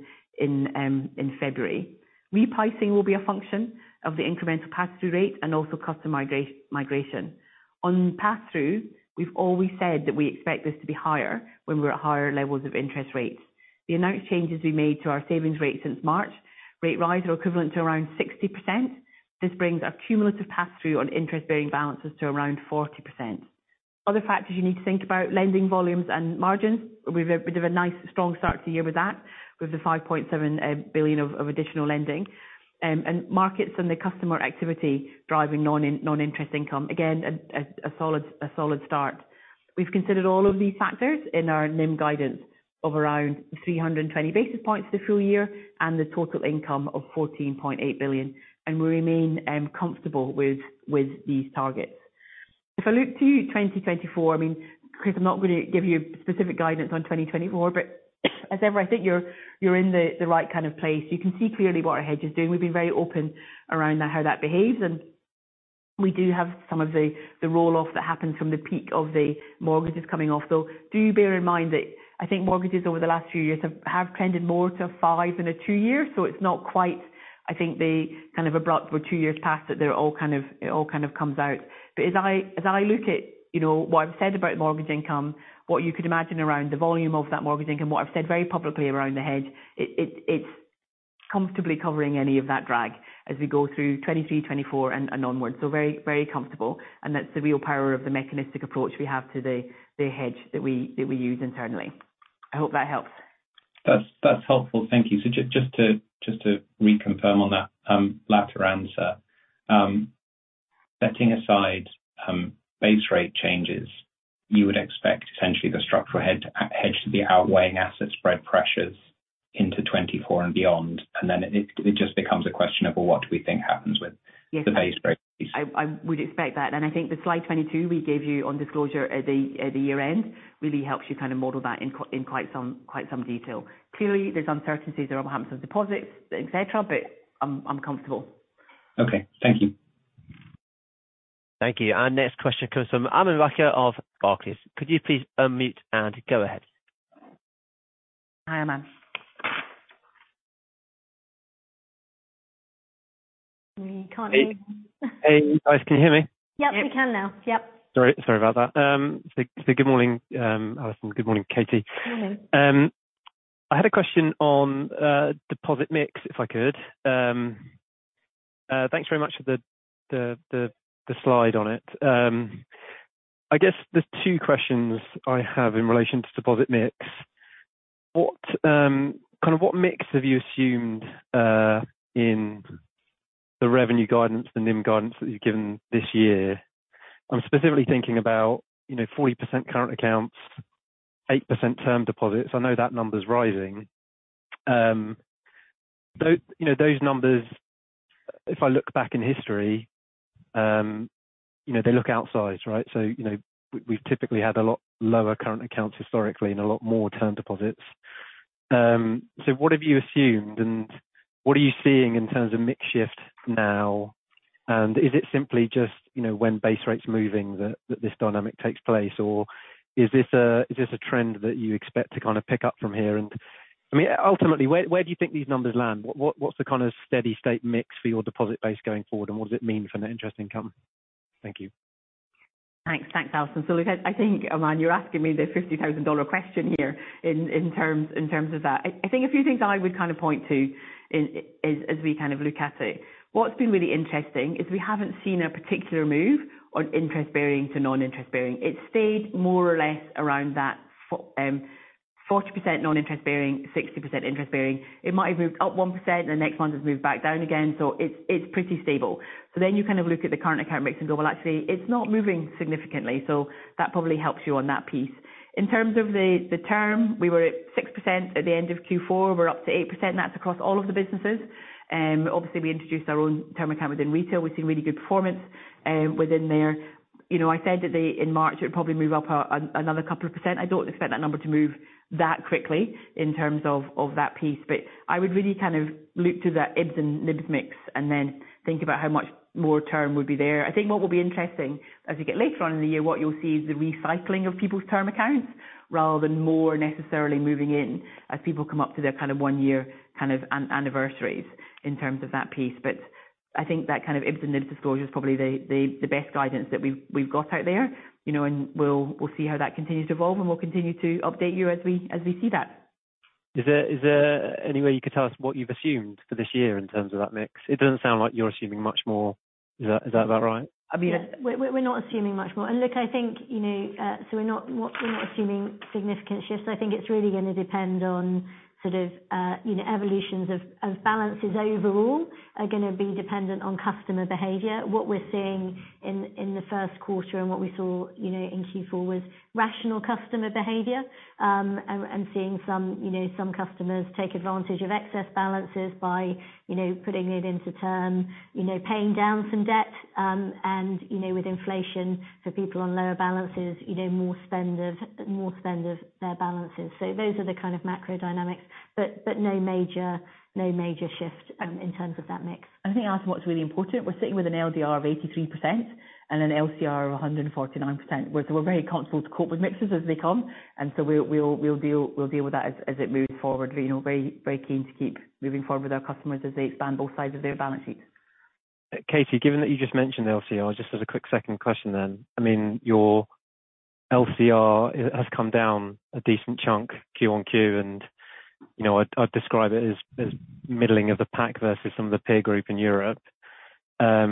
February. Repricing will be a function of the incremental pass-through rate and also customer migration. On pass-through, we've always said that we expect this to be higher when we're at higher levels of interest rates. The announced changes we made to our savings rate since March rate rise are equivalent to around 60%. This brings our cumulative pass-through on interest-bearing balances to around 40%. Other factors you need to think about, lending volumes and margins. We've a nice strong start to the year with that, with the 5.7 billion of additional lending. Markets and the customer activity driving non-interest income. Again, a solid start. We've considered all of these factors in our NIM guidance of around 320 basis points the full year and the total income of 14.8 billion, and we remain comfortable with these targets. If I look to 2024, I mean, Chris, I'm not gonna give you specific guidance on 2024. As ever, I think you're in the right kind of place. You can see clearly what our hedge is doing. We've been very open around that, how that behaves. We do have some of the roll-off that happens from the peak of the mortgages coming off. Do bear in mind that I think mortgages over the last few years have trended more to five and a two year. It's not quite, I think, the kind of abrupt or two years past that they're all kind of. It all kind of comes out. As I look at, you know, what I've said about mortgage income, what you could imagine around the volume of that mortgage income, what I've said very publicly around the hedge, it's comfortably covering any of that drag as we go through 2023, 2024 and onwards. Very, very comfortable, and that's the real power of the mechanistic approach we have to the hedge that we use internally. I hope that helps. That's helpful. Thank you. Just to reconfirm on that latter answer. Setting aside base rate changes, you would expect essentially the structural hedge to be outweighing asset spread pressures into 2024 and beyond, and then it just becomes a question of, well, what do we think happens. Yes. the base rate piece. I would expect that. I think the slide 22 we gave you on disclosure at the year-end really helps you kind of model that in quite some detail. Clearly, there's uncertainties around what happens with deposits, et cetera, but I'm comfortable. Okay. Thank you. Thank you. Our next question comes from Aman Rakkar of Barclays. Could you please unmute and go ahead? Hi, Aman. We can't hear you. Hey. Hey, guys, can you hear me? Yep. Yep. We can now. Yep. Sorry about that. Good morning, Alison. Good morning, Katie. Morning. I had a question on deposit mix, if I could. Thanks very much for the slide on it. I guess the two questions I have in relation to deposit mix, what kind of what mix have you assumed in the revenue guidance, the NIM guidance that you've given this year? I'm specifically thinking about, you know, 40% current accounts, 8% term deposits. I know that number's rising. You know, those numbers, if I look back in history, you know, they look outsized, right? You know, we've typically had a lot lower current accounts historically and a lot more term deposits. What have you assumed, and what are you seeing in terms of mix shift now? Is it simply just, you know, when base rate's moving that this dynamic takes place, or is this a, is this a trend that you expect to kind of pick up from here? I mean, ultimately, where do you think these numbers land? What's the kind of steady-state mix for your deposit base going forward, and what does it mean for net interest income? Thank you. Thanks. Thanks, Alison. Look, I think, Aman, you're asking me the 50,000 dollar question here in terms of that. I think a few things I would kind of point to is as we kind of look at it, what's been really interesting is we haven't seen a particular move on interest-bearing to non-interest-bearing. It stayed more or less around that 40% non-interest-bearing, 60% interest-bearing. It might have moved up 1% and the next one has moved back down again. It's pretty stable. You kind of look at the current account mix and go, "Well, actually, it's not moving significantly." That probably helps you on that piece. In terms of the term, we were at 6% at the end of Q4. We're up to 8%. That's across all of the businesses. Obviously we introduced our own term account within retail. We've seen really good performance, within there. You know, I said that in March it would probably move up another couple of percent. I don't expect that number to move that quickly in terms of that piece. I would really kind of look to that IBBs and NIBBs mix and then think about how much more term would be there. I think what will be interesting as we get later on in the year, what you'll see is the recycling of people's term accounts rather than more necessarily moving in as people come up to their kind of one year kind of anniversaries in terms of that piece. I think that kind of IBBs and NIBBs disclosure is probably the best guidance that we've got out there. You know, and we'll see how that continues to evolve, and we'll continue to update you as we see that. Is there any way you could tell us what you've assumed for this year in terms of that mix? It doesn't sound like you're assuming much more. Is that about right? I mean... We're not assuming much more. Look, I think, you know, so we're not assuming significant shifts. I think it's really gonna depend on sort of, you know, evolutions of balances overall are gonna be dependent on customer behavior. What we're seeing in the first quarter and what we saw, you know, in Q4 was rational customer behavior. Seeing some, you know, some customers take advantage of excess balances by, you know, putting it into term. You know, paying down some debt. You know, with inflation for people on lower balances, you know, more spend of their balances. Those are the kind of macro dynamics but no major shift in terms of that mix. I think also what's really important, we're sitting with an LDR of 83% and an LCR of 149%. We're very comfortable to cope with mixes as they come, we'll deal with that as it moves forward. We're, you know, very keen to keep moving forward with our customers as they span both sides of their balance sheets. Katie, given that you just mentioned LCR, just as a quick second question then. I mean, your LCR has come down a decent chunk Q on Q, and, you know, I'd describe it as middling of the pack versus some of the peer group in Europe. is there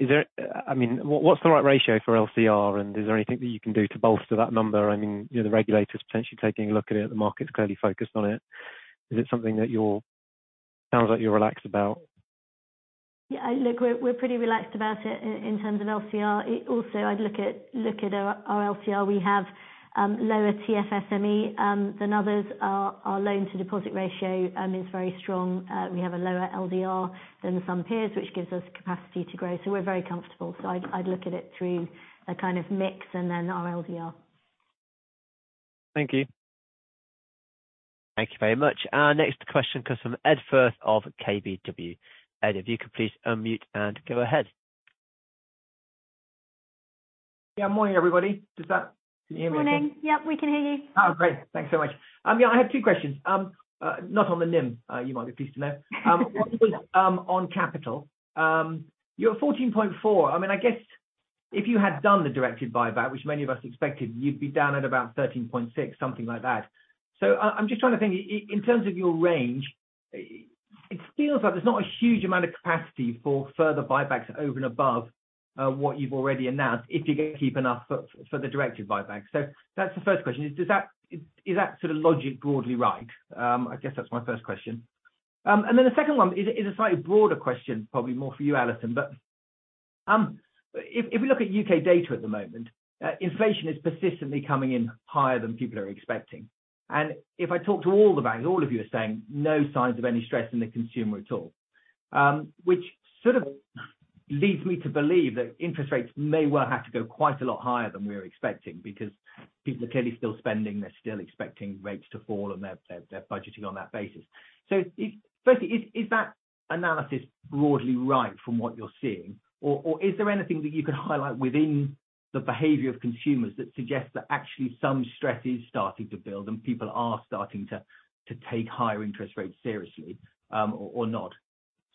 I mean, what's the right ratio for LCR, and is there anything that you can do to bolster that number? I mean, you know, the regulators potentially taking a look at it. The market's clearly focused on it. Is it something that you're Sounds like you're relaxed about? Look, we're pretty relaxed about it in terms of LCR. Also I'd look at our LCR. We have lower TFSME than others. Our loan to deposit ratio is very strong. We have a lower LDR than some peers, which gives us capacity to grow. We're very comfortable. I'd look at it through a kind of mix and then our LDR. Thank you. Thank you very much. Our next question comes from Ed Firth of KBW. Ed, if you could please unmute and go ahead. Morning, everybody. Can you hear me okay? Morning. Yep, we can hear you. Great. Thanks so much. Yeah, I have two questions. Not on the NIM, you might be pleased to know. One was on capital. You're at 14.4. I mean, I guess if you had done the directed buyback, which many of us expected, you'd be down at about 13.6, something like that. I'm just trying to think. In terms of your range, it feels like there's not a huge amount of capacity for further buybacks over and above what you've already announced if you're gonna keep enough for the directed buyback. That's the first question. Is that sort of logic broadly right? I guess that's my first question. The second one is a slightly broader question, probably more for you, Alison. If we look at U.K. data at the moment, inflation is persistently coming in higher than people are expecting. If I talk to all the banks, all of you are saying no signs of any stress in the consumer at all. Which sort of leads me to believe that interest rates may well have to go quite a lot higher than we were expecting because people are clearly still spending, they're still expecting rates to fall, and they're budgeting on that basis. Firstly, is that analysis broadly right from what you're seeing, or is there anything that you could highlight within the behavior of consumers that suggests that actually some stress is starting to build and people are starting to take higher interest rates seriously, or not?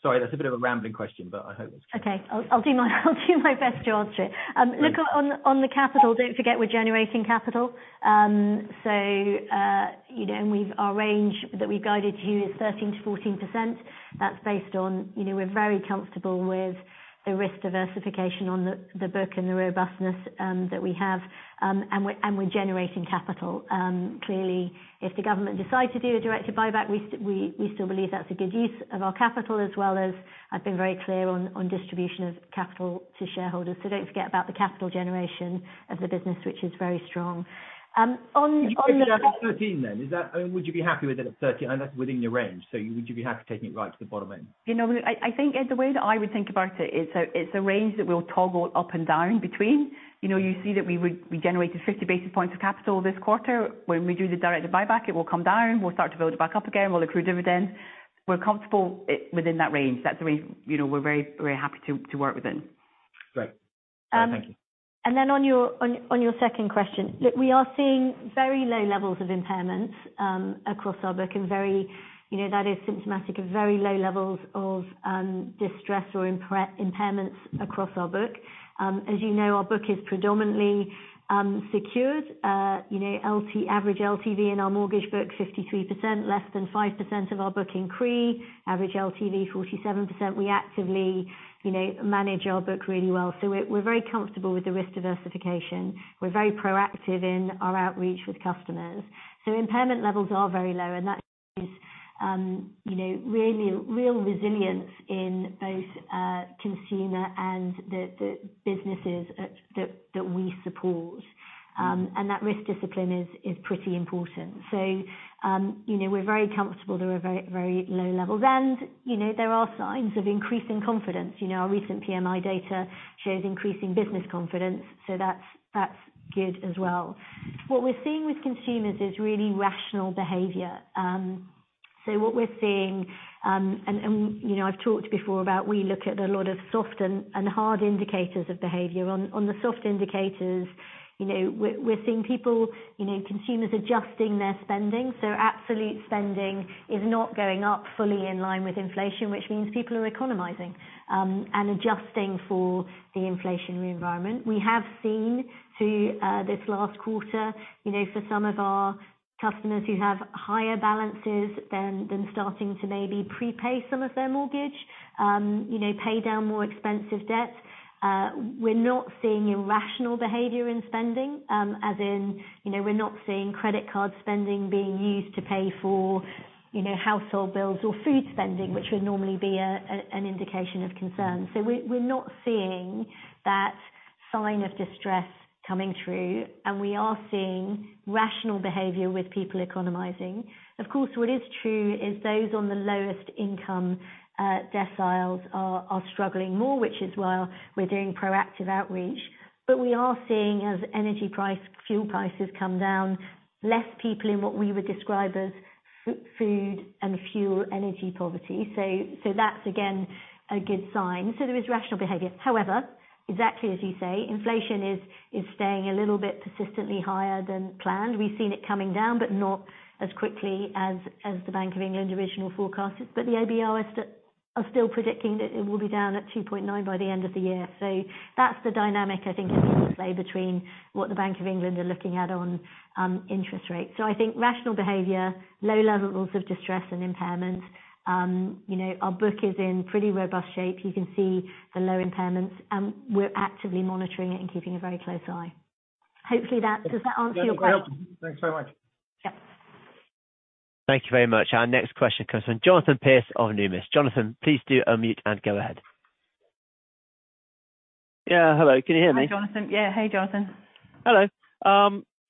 Sorry, that's a bit of a rambling question. I hope it's clear. Okay. I'll do my best to answer it. look, on the capital, don't forget we're generating capital. so, you know, our range that we've guided you is 13%-14%. That's based on, you know, we're very comfortable with the risk diversification on the book and the robustness, that we have. and we're generating capital. clearly, if the government decide to do a directed buyback, we still believe that's a good use of our capital as well as I've been very clear on distribution of capital to shareholders. Don't forget about the capital generation of the business, which is very strong. on the. If you take it down to 13 then. I mean, would you be happy with it at 13? I know that's within your range, would you be happy taking it right to the bottom end? You know, I think, Ed, the way that I would think about it is, it's a range that we'll toggle up and down between. You know, you see that we generated 50 basis points of capital this quarter. When we do the directed buyback, it will come down, we'll start to build it back up again, we'll accrue dividends. We're comfortable within that range. That's the range, you know, we're very happy to work within. Great. All right. Thank you. On your second question. Look, we are seeing very low levels of impairments across our book and very, you know, that is symptomatic of very low levels of distress or impairments across our book. As you know, our book is predominantly secured. You know, LT, average LTV in our mortgage book, 53%, less than 5% of our book in CRE. Average LTV, 47%. We actively, you know, manage our book really well. We're very comfortable with the risk diversification. We're very proactive in our outreach with customers. Impairment levels are very low, and that is, you know, real resilience in both consumer and the businesses that we support. That risk discipline is pretty important. You know, we're very comfortable. They were very, very low levels. You know, there are signs of increasing confidence. You know, our recent PMI data shows increasing business confidence, so that's good as well. What we're seeing with consumers is really rational behavior. So what we're seeing, and, you know, I've talked before about we look at a lot of soft and hard indicators of behavior. On the soft indicators, you know, we're seeing people, you know, consumers adjusting their spending. Absolute spending is not going up fully in line with inflation, which means people are economizing and adjusting for the inflationary environment. We have seen through this last quarter, you know, for some of our customers who have higher balances than starting to maybe prepay some of their mortgage. You know, pay down more expensive debts. We're not seeing irrational behavior in spending, as in, you know, we're not seeing credit card spending being used to pay for, you know, household bills or food spending, which would normally be an indication of concern. We're not seeing that sign of distress coming through, and we are seeing rational behavior with people economizing. Of course, what is true is those on the lowest income deciles are struggling more, which is why we're doing proactive outreach. But we are seeing as energy price, fuel prices come down, less people in what we would describe as food and fuel energy poverty. That's again, a good sign. There is rational behavior. However, exactly as you say, inflation is staying a little bit persistently higher than planned. We've seen it coming down, not as quickly as the Bank of England original forecast. The OBR is still predicting that it will be down at 2.9 by the end of the year. That's the dynamic I think I can say between what the Bank of England are looking at on interest rates. I think rational behavior, low levels of distress and impairment. You know, our book is in pretty robust shape. You can see the low impairments, and we're actively monitoring it and keeping a very close eye. Hopefully that. Does that answer your question? Yeah. Thanks very much. Yeah. Thank you very much. Our next question comes from Jonathan Pierce of Numis. Jonathan, please do unmute and go ahead. Yeah, hello. Can you hear me? Hi, Jonathan. Yeah. Hey, Jonathan. Hello.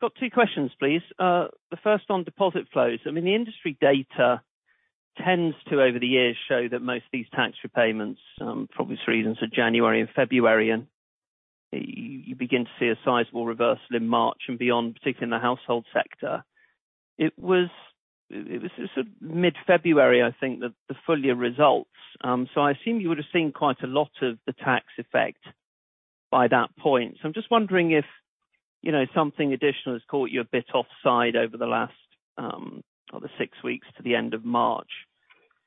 Got twoquestions, please. The first on deposit flows. I mean the industry data tends to, over the years, show that most of these tax repayments, probably for reasons of January and February, you begin to see a sizable reversal in March and beyond, particularly in the household sector. It was just mid-February, I think, that the full year results. I assume you would have seen quite a lot of the tax effect by that point. I'm just wondering if, you know, something additional has caught you a bit offside over the last, or the 6 weeks to the end of March,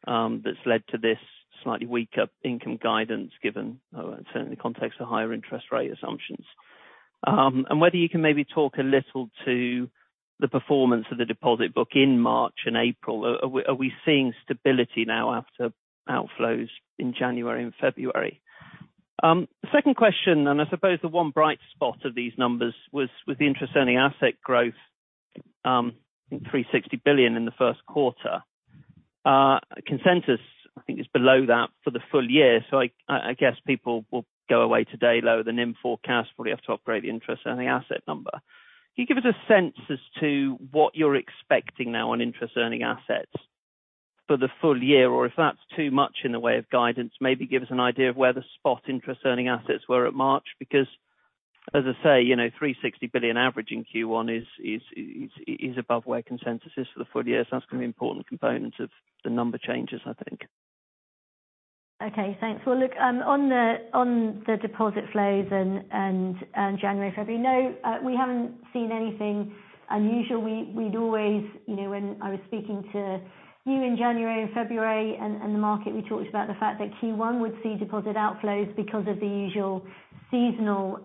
that's led to this slightly weaker income guidance given certainly the context of higher interest rate assumptions. Whether you can maybe talk a little to the performance of the deposit book in March and April. Are we seeing stability now after outflows in January and February? The second question, I suppose the one bright spot of these numbers was the interest earning asset growth, 360 billion in the first quarter. Consensus I think is below that for the full year. I guess people will go away today lower than in forecast. We have to operate the interest earning asset number. Can you give us a sense as to what you're expecting now on interest earning assets for the full year? If that's too much in the way of guidance, maybe give us an idea of where the spot interest earning assets were at March. As I say, you know, 360 billion average in Q1 is above where consensus is for the full year. That's gonna be an important component of the number changes, I think. Thanks. Look, on the deposit flows and January, February. No, we haven't seen anything unusual. We'd always, you know, when I was speaking to you in January and February and the market, we talked about the fact that Q1 would see deposit outflows because of the usual seasonal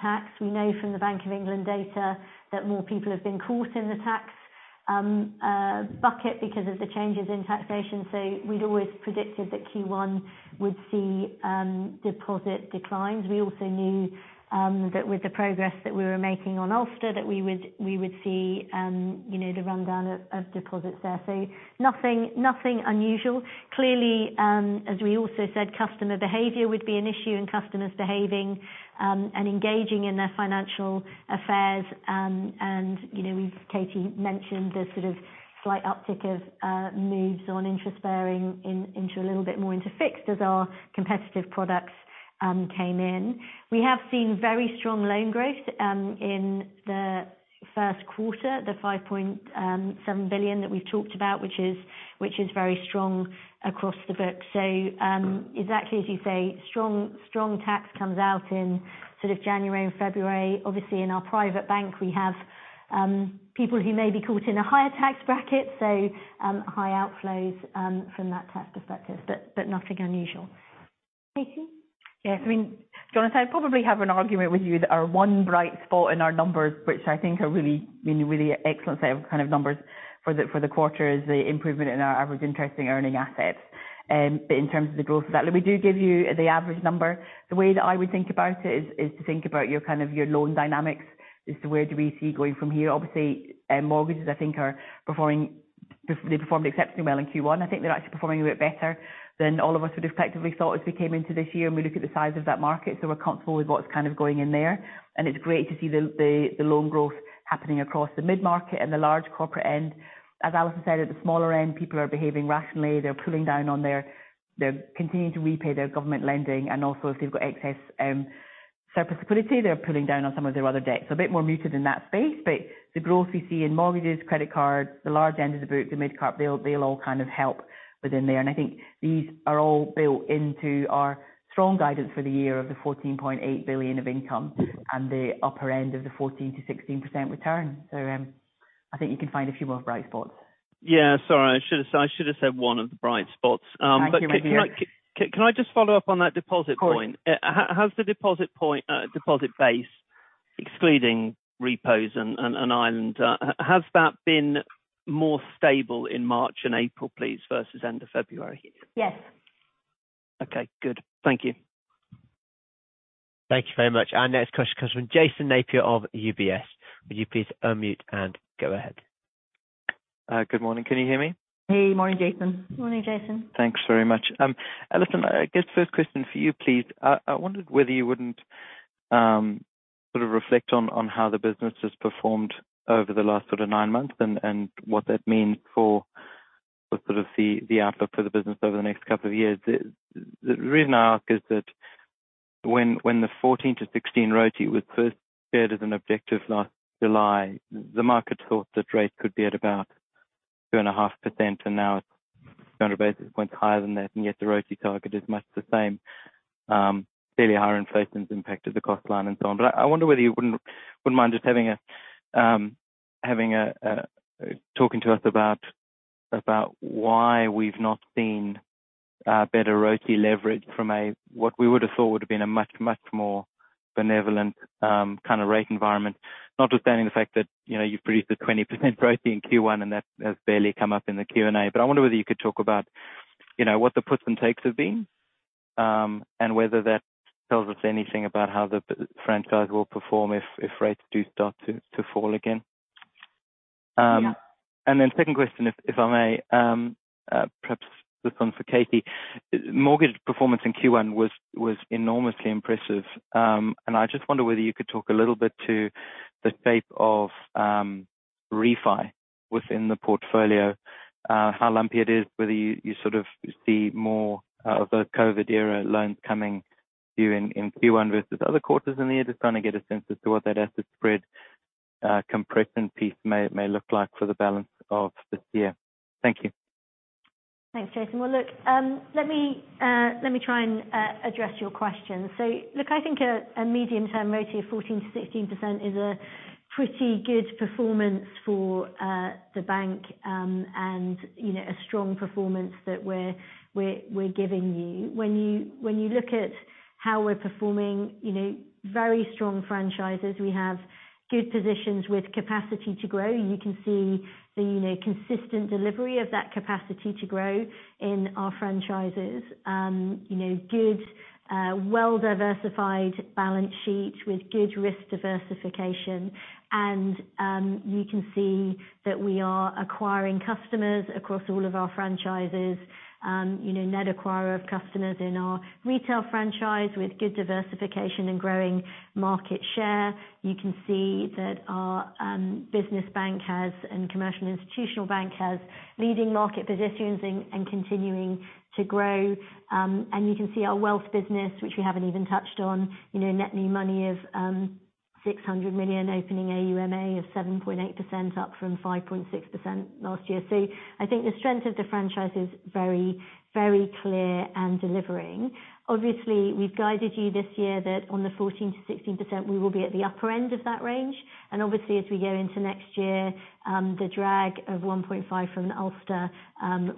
tax. We know from the Bank of England data that more people have been caught in the tax bucket because of the changes in taxation. We'd always predicted that Q1 would see deposit declines. We also knew that with the progress that we were making on Ulster that we would see, you know, the rundown of deposits there. Nothing unusual. Clearly, as we also said, customer behavior would be an issue and customers behaving and engaging in their financial affairs. You know, Katie mentioned the sort of slight uptick of moves on interest bearing in, into a little bit more into fixed as our competitive products came in. We have seen very strong loan growth in the first quarter, the 5.7 billion that we've talked about, which is very strong across the book. Exactly as you say, strong tax comes out in sort of January and February. Obviously in our private bank, we have people who may be caught in a higher tax bracket, high outflows from that tax perspective, but nothing unusual. Katie. Yes. I mean, Jonathan, I probably have an argument with you that our one bright spot in our numbers, which I think are really, really, really excellent set of kind of numbers for the, for the quarter, is the improvement in our average interesting earning assets. In terms of the growth of that, look, we do give you the average number. The way that I would think about it is to think about your kind of your loan dynamics. Is where do we see going from here? Obviously, mortgages I think they performed exceptionally well in Q1. I think they're actually performing a bit better than all of us would have effectively thought as we came into this year, and we look at the size of that market, so we're comfortable with what's kind of going in there. It's great to see the loan growth happening across the mid-market and the large corporate end. As Alison said, at the smaller end, people are behaving rationally. They're pulling down on their continuing to repay their government lending and also if they've got excess surplus ability, they're pulling down on some of their other debts. A bit more muted in that space. The growth we see in mortgages, credit cards, the large end of the group, the mid-cap, they'll all kind of help within there. I think these are all built into our strong guidance for the year of the 14.8 billion of income and the upper end of the 14%-16% return. I think you can find a few more bright spots. Yeah, sorry. I should have said one of the bright spots. Thank you. Can I just follow up on that deposit point? Of course. How's the deposit base excluding repos and Ireland? Has that been more stable in March and April, please, versus end of February? Yes. Okay, good. Thank you. Thank you very much. Our next question comes from Jason Napier of UBS. Will you please unmute and go ahead. Good morning. Can you hear me? Hey, morning, Jason. Morning, Jason. Thanks very much. Alison Rose, I guess first question for you, please. I wondered whether you wouldn't, sort of reflect on how the business has performed over the last sort of nine months and what that means for the sort of the outlook for the business over the next couple of years. The reason I ask is that when the 14-16 ROTI was first shared as an objective last July, the market thought that rates could be at about 2.5%, and now it's 200 basis points higher than that, and yet the ROTI target is much the same. Clearly higher inflation's impacted the cost line and so on. I wonder whether you wouldn't mind just having a talking to us about why we've not seen better ROTI leverage from a what we would have thought would have been a much more benevolent kind of rate environment, notwithstanding the fact that, you know, you've produced a 20% ROTI in Q1, and that has barely come up in the Q&A. I wonder whether you could talk about, you know, what the puts and takes have been, and whether that tells us anything about how the franchise will perform if rates do start to fall again. Yeah. Then second question, if I may, perhaps this one's for Katie? Mortgage performance in Q1 was enormously impressive. I just wonder whether you could talk a little bit to the state of refi within the portfolio, how lumpy it is, whether you sort of see more of those COVID era loans coming due in Q1 versus other quarters in the year, just trying to get a sense as to what that asset spread compression piece may look like for the balance of this year. Thank you. Thanks, Jason Napier. Look, let me try and address your question. Look, I think a medium-term ROTCE of 14%-16% is a pretty good performance for the bank, and, you know, a strong performance that we're giving you. When you look at how we're performing, you know, very strong franchises. We have good positions with capacity to grow. You can see the, you know, consistent delivery of that capacity to grow in our franchises. You know, good, well-diversified balance sheet with good risk diversification. You can see that we are acquiring customers across all of our franchises, you know, net acquirer of customers in our retail franchise with good diversification and growing market share. You can see that our business bank has and commercial institutional bank has leading market positions and continuing to grow. You can see our wealth business, which we haven't even touched on, you know, net new money of 600 million, opening AUMA of 7.8%, up from 5.6% last year. I think the strength of the franchise is very, very clear and delivering. Obviously, we've guided you this year that on the 14%-16%, we will be at the upper end of that range. Obviously, as we go into next year, the drag of 1.5 from Ulster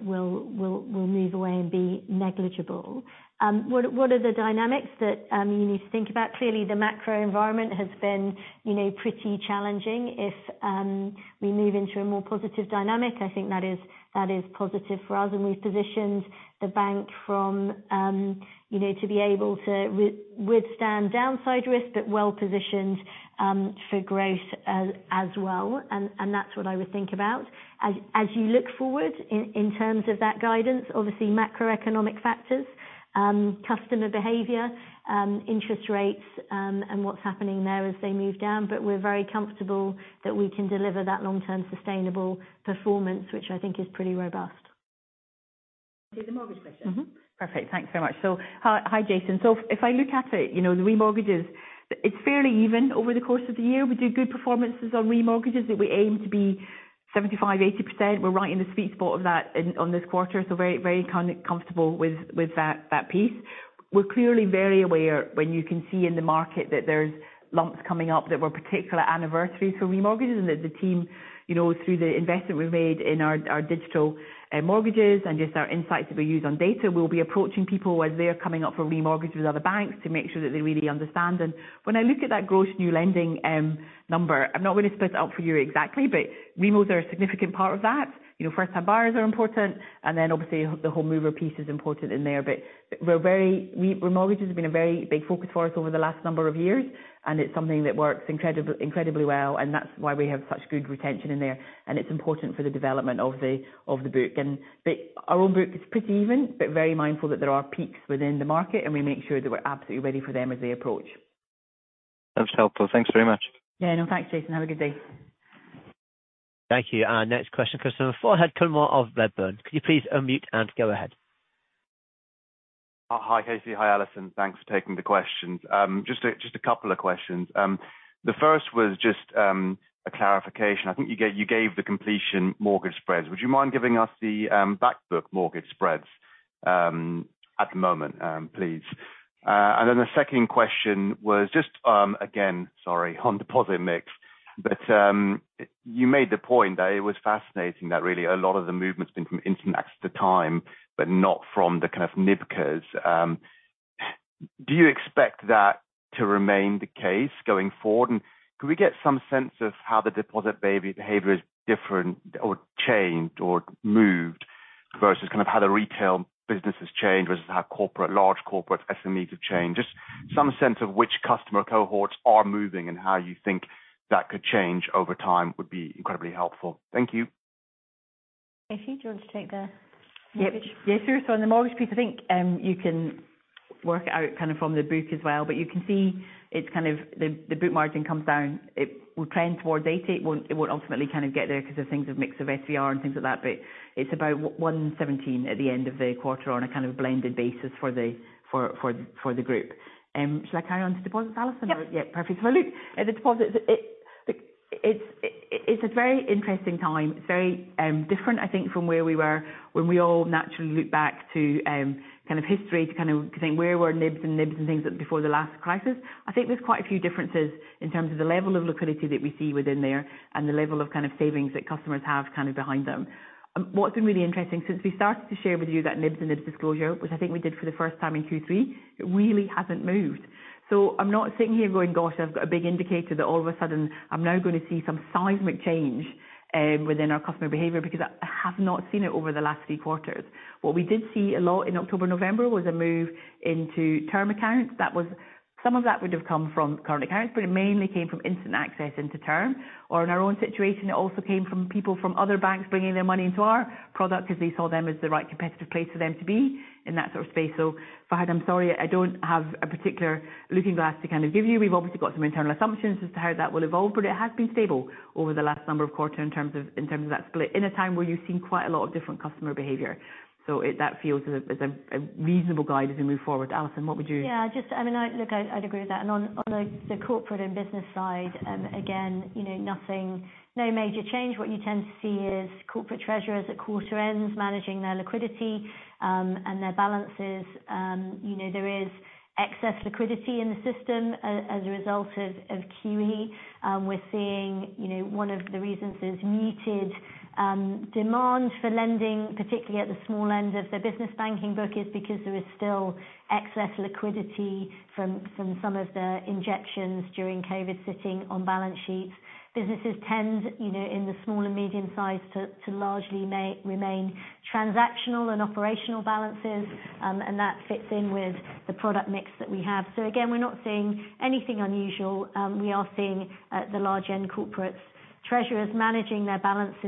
will move away and be negligible. What are the dynamics that you need to think about? Clearly, the macro environment has been, you know, pretty challenging. If we move into a more positive dynamic, I think that is positive for us. We've positioned the bank from, you know, to be able to withstand downside risk, but well-positioned for growth as well. That's what I would think about. As you look forward in terms of that guidance, obviously macroeconomic factors, customer behavior, interest rates, and what's happening there as they move down. We're very comfortable that we can deliver that long-term sustainable performance, which I think is pretty robust. To the mortgage question. Mm-hmm. Perfect. Thanks very much. Hi, Jason. If I look at it, you know, the remortgages, it's fairly even over the course of the year. We do good performances on remortgages that we aim to be 75%-80%. We're right in the sweet spot of that on this quarter. Very comfortable with that piece. We're clearly very aware when you can see in the market that there's lumps coming up that were particular anniversary for remortgages and that the team, you know, through the investment we've made in our digital mortgages and just our insights that we use on data, we'll be approaching people as they're coming up for remortgages with other banks to make sure that they really understand. When I look at that gross new lending number, I've not really split it up for you exactly, but remos are a significant part of that. You know, first-time buyers are important, and then obviously the home mover piece is important in there. Remortgages has been a very big focus for us over the last number of years, and it's something that works incredibly well, and that's why we have such good retention in there. It's important for the development of the book. Our own book is pretty even, but very mindful that there are peaks within the market, and we make sure that we're absolutely ready for them as they approach. That's helpful. Thanks very much. Yeah. No, thanks, Jason. Have a good day. Thank you. Our next question comes from Fahed Kunwar of Redburn. Could you please unmute and go ahead. Hi, Katie. Hi, Alison. Thanks for taking the questions. Just a couple of questions. The first was just a clarification. I think you gave the completion mortgage spreads. Would you mind giving us the back book mortgage spreads at the moment, please? The second question was just again, sorry, on deposit mix. You made the point that it was fascinating that really a lot of the movement's been from instant access at the time, but not from the kind of NIBBs. Do you expect that to remain the case going forward? Could we get some sense of how the deposit behavior is different or changed or moved versus kind of how the retail business has changed versus how corporate, large corporates SMEs have changed? Just some sense of which customer cohorts are moving and how you think that could change over time would be incredibly helpful. Thank you. Katie, do you want to take that? Yep. Yes, sure. On the mortgage piece, I think, you can work out kind of from the book as well, but you can see it's kind of the book margin comes down. It will trend towards data. It won't ultimately kind of get there 'cause of things of mix of SDR and things like that, but it's about 117 at the end of the quarter on a kind of blended basis for the group. Shall I carry on to deposits, Alison? Yep. Yeah. Perfect. Look at the deposits. It's a very interesting time. It's very different, I think from where we were when we all naturally look back to kind of history to kind of think where were NIBBs and IBBs and things before the last crisis. I think there's quite a few differences in terms of the level of liquidity that we see within there and the level of kind of savings that customers have kind of behind them. What's been really interesting since we started to share with you that NIBBs and IBB disclosure, which I think we did for the first time in Q3, it really hasn't moved. I'm not sitting here going, "Gosh, I've got a big indicator that all of a sudden I'm now gonna see some seismic change within our customer behavior," because I have not seen it over the last three quarters. What we did see a lot in October, November was a move into term accounts. Some of that would've come from current accounts, but it mainly came from instant access into term. In our own situation, it also came from people from other banks bringing their money into our product 'cause they saw them as the right competitive place for them to be in that sort of space. Fahad, I'm sorry, I don't have a particular looking glass to kind of give you. We've obviously got some internal assumptions as to how that will evolve, but it has been stable over the last number of quarter in terms of, in terms of that split in a time where you've seen quite a lot of different customer behavior. That feels as a reasonable guide as we move forward. Alison, what would you- Yeah, just I mean, look, I'd agree with that. On the corporate and business side, again, you know, nothing, no major change. What you tend to see is corporate treasurers at quarter ends managing their liquidity and their balances. you know, there is excess liquidity in the system as a result of QE. we're seeing, you know, one of the reasons is muted demand for lending, particularly at the small end of the business banking book is because there is still excess liquidity from some of the injections during COVID sitting on balance sheets. Businesses tend, you know, in the small and medium size to largely remain transactional and operational balances. and that fits in with the product mix that we have. Again, we're not seeing anything unusual. We are seeing the large end corporates treasurers managing their balances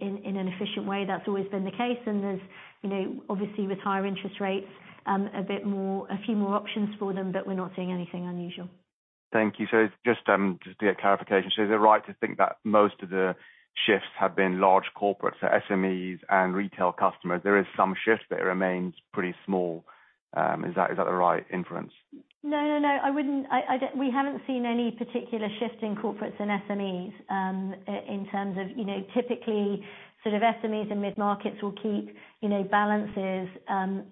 in an efficient way. That's always been the case. There's, you know, obviously with higher interest rates, a bit more, a few more options for them, but we're not seeing anything unusual. Thank you. Just a clarification. Is it right to think that most of the shifts have been large corporates, so SMEs and retail customers, there is some shifts, but it remains pretty small? Is that the right inference? No, no. I wouldn't. I don't. We haven't seen any particular shift in corporates and SMEs, in terms of, you know, typically sort of SMEs and mid-markets will keep, you know, balances.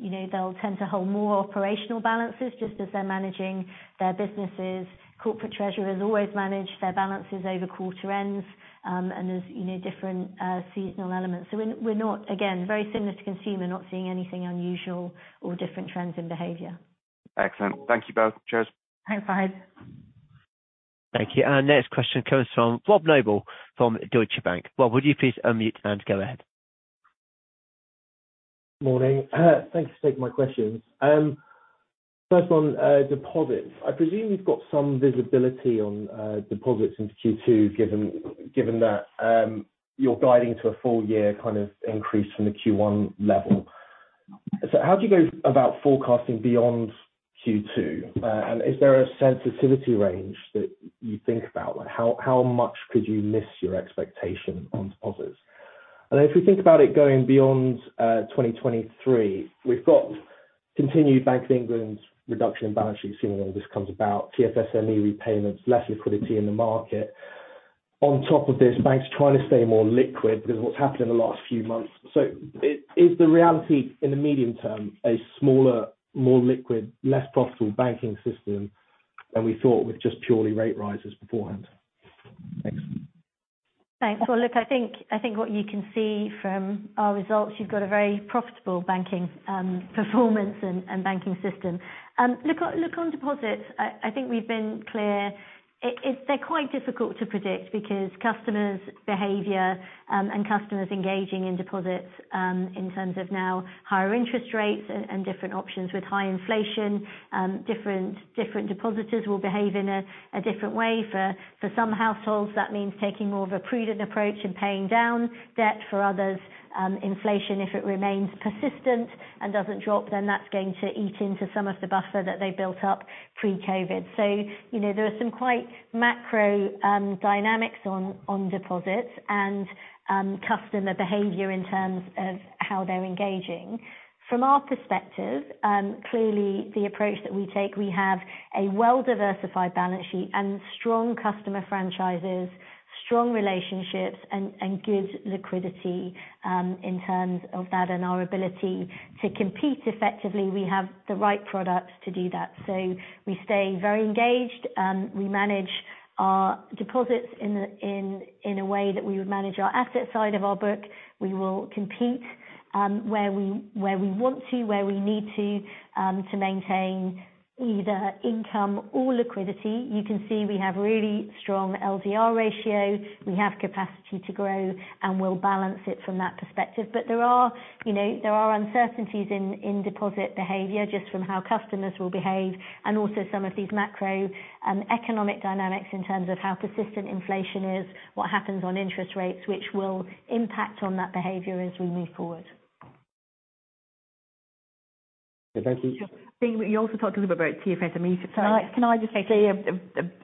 You know, they'll tend to hold more operational balances just as they're managing their businesses. Corporate treasurers always manage their balances over quarter ends. And there's, you know, different seasonal elements. We're, we're not, again, very similar to consumer not seeing anything unusual or different trends and behavior. Excellent. Thank you both. Cheers. Thanks, Fahed. Thank you. Our next question comes from Robert Noble from Deutsche Bank. Rob, would you please unmute and go ahead. Morning. Thanks for taking my questions. First on deposits. I presume you've got some visibility on deposits into Q2, given that you're guiding to a full year kind of increase from the Q1 level. How do you go about forecasting beyond Q2? Is there a sensitivity range that you think about? Like how much could you miss your expectation on deposits? And if we think about it going beyond 2023, we've got continued Bank of England's reduction in balance sheets, seeing all this comes about, TFSME repayments, less liquidity in the market. On top of this, banks trying to stay more liquid 'cause of what's happened in the last few months. Is the reality in the medium term a smaller, more liquid, less profitable banking system than we thought with just purely rate rises beforehand? Thanks. Thanks. Look, I think what you can see from our results, you've got a very profitable banking performance and banking system. Look on deposits. I think we've been clear. They're quite difficult to predict because customers' behavior and customers engaging in deposits in terms of now higher interest rates and different options with high inflation, different depositors will behave in a different way. For some households, that means taking more of a prudent approach and paying down debt. For others, inflation, if it remains persistent and doesn't drop, then that's going to eat into some of the buffer that they built up pre-COVID. You know, there are some quite macro dynamics on deposits and customer behavior in terms of how they're engaging. From our perspective, clearly the approach that we take, we have a well-diversified balance sheet and strong customer franchises, Strong relationships and good liquidity, in terms of that and our ability to compete effectively. We have the right products to do that. We stay very engaged. We manage our deposits in a way that we would manage our asset side of our book. We will compete, where we want to, where we need to maintain either income or liquidity. You can see we have really strong LDR ratio. We have capacity to grow, and we'll balance it from that perspective. There are, you know, there are uncertainties in deposit behavior just from how customers will behave and also some of these macro and economic dynamics in terms of how persistent inflation is, what happens on interest rates, which will impact on that behavior as we move forward. Thank you. I think you also talked a little bit about TFSME. Can I just say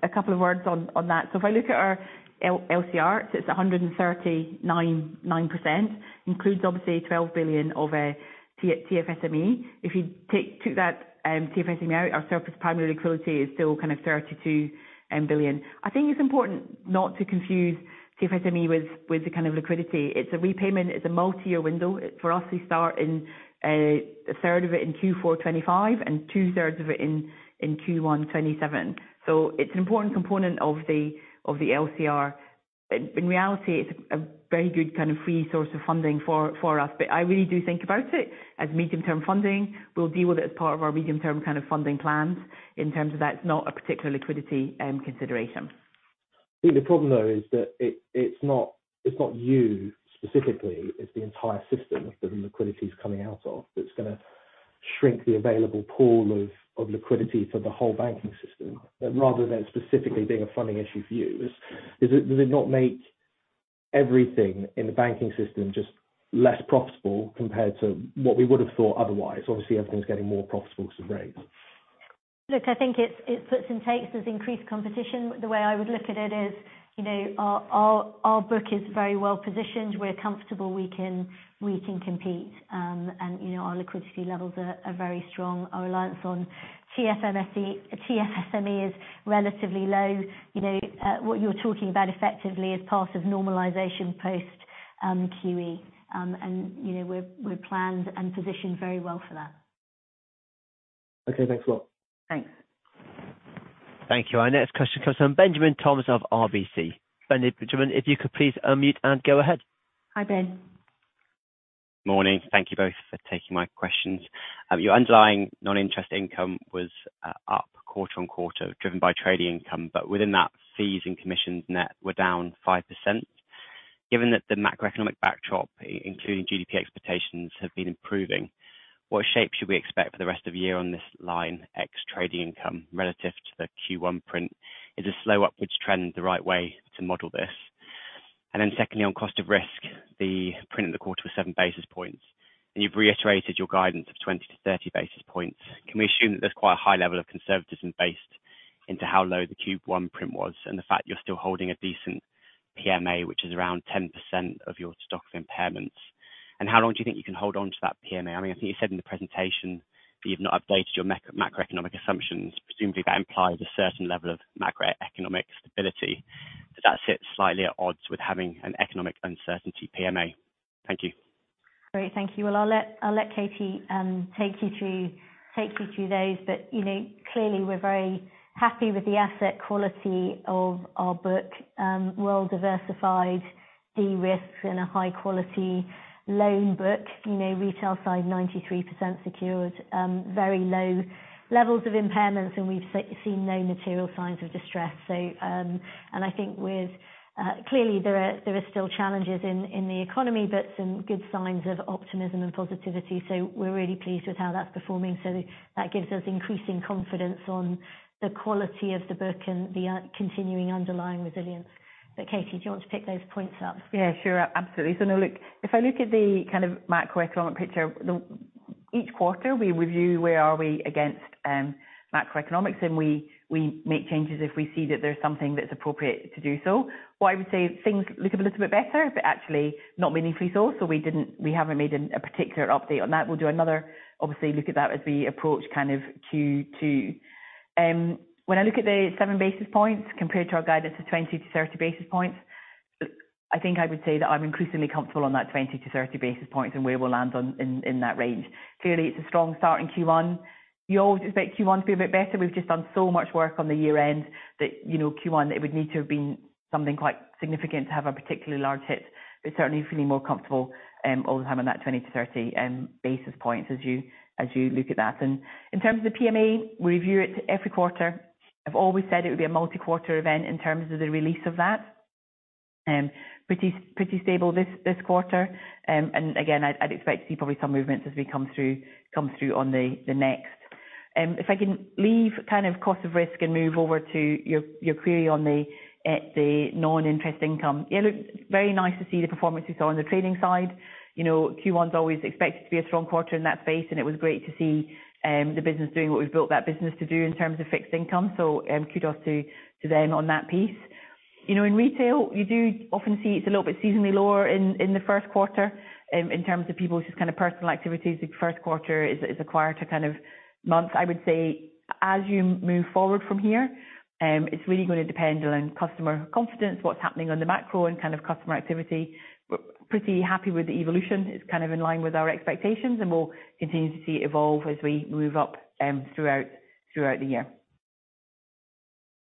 a couple of words on that? If I look at our LCR, it's 139.9%. Includes obviously 12 billion of TFSME. If you took that TFSME out, our surface primary liquidity is still kind of 32 billion. I think it's important not to confuse TFSME with the kind of liquidity. It's a repayment, it's a multi-year window. For us, we start in a third of it in Q4 2025 and two-thirds of it in Q1 2027. It's an important component of the LCR. In reality it's a very good kind of free source of funding for us. I really do think about it as medium-term funding. We'll deal with it as part of our medium-term kind of funding plans. In terms of that, it's not a particular liquidity consideration. The problem though is that it's not you specifically, it's the entire system that the liquidity is coming out of. That's going to shrink the available pool of liquidity for the whole banking system rather than specifically being a funding issue for you. Does it not make everything in the banking system just less profitable compared to what we would have thought otherwise? Obviously, everything's getting more profitable because of rates. Look, I think it's puts and takes. There's increased competition. The way I would look at it is, you know, our book is very well-positioned. We're comfortable we can compete. You know, our liquidity levels are very strong. Our reliance on TFSME is relatively low. You know, what you're talking about effectively is part of normalization post QE. You know, we're planned and positioned very well for that. Okay, thanks a lot. Thanks. Thank you. Our next question comes from Benjamin Toms of RBC. Benjamin, if you could please unmute and go ahead. Hi, Ben. Morning. Thank you both for taking my questions. Your underlying non-interest income was up quarter on quarter, driven by trading income. Within that, fees and commissions net were down 5%. Given that the macroeconomic backdrop, including GDP expectations, have been improving, what shape should we expect for the rest of the year on this line, ex trading income relative to the Q1 print? Is a slow upwards trend the right way to model this? Secondly, on cost of risk, the print in the quarter was 7 basis points, and you've reiterated your guidance of 20 basis points-30 basis points. Can we assume that there's quite a high level of conservatism based into how low the Q1 print was and the fact you're still holding a decent PMA, which is around 10% of your stock of impairments? How long do you think you can hold on to that PMA? I mean, I think you said in the presentation that you've not updated your macroeconomic assumptions. Presumably, that implies a certain level of macroeconomic stability. That sits slightly at odds with having an economic uncertainty PMA. Thank you. Great. Thank you. Well, I'll let Katie take you through those. You know, clearly we're very happy with the asset quality of our book. Well-diversified de-risk and a high-quality loan book. You know, retail side, 93% secured, very low levels of impairments, and we've seen no material signs of distress. I think with clearly there are still challenges in the economy, but some good signs of optimism and positivity. We're really pleased with how that's performing. That gives us increasing confidence on the quality of the book and the continuing underlying resilience. Katie, do you want to pick those points up? Yeah, sure. Absolutely. If I look at the kind of macroeconomic picture, each quarter we review where are we against macroeconomics, and we make changes if we see that there's something that's appropriate to do so. What I would say, things look a little bit better, actually not meaningfully so. We haven't made a particular update on that. We'll do another, obviously look at that as we approach kind of Q2. When I look at the 7 basis points compared to our guidance of 20 basis points-30 basis points, I think I would say that I'm increasingly comfortable on that 20 basis points-30 basis points and where we'll land in that range. Clearly, it's a strong start in Q1. We always expect Q1 to be a bit better. We've just done so much work on the year-end that, you know, Q1, it would need to have been something quite significant to have a particularly large hit. Certainly feeling more comfortable all the time on that 20 basis points-30 basis points as you look at that. In terms of PMA, we review it every quarter. I've always said it would be a multi-quarter event in terms of the release of that. Pretty stable this quarter. Again, I'd expect to see probably some movements as we come through on the next. If I can leave kind of cost of risk and move over to your query on the non-interest income. It looked very nice to see the performance we saw on the trading side. You know, Q1 is always expected to be a strong quarter in that space, and it was great to see the business doing what we've built that business to do in terms of fixed income. Kudos to them on that piece. You know, in retail, you do often see it's a little bit seasonally lower in the first quarter. In terms of people's just kind of personal activities, the first quarter is acquired to kind of month, I would say. As you move forward from here, it's really going to depend on customer confidence, what's happening on the macro and kind of customer activity. We're pretty happy with the evolution. It's kind of in line with our expectations, and we'll continue to see it evolve as we move up throughout the year.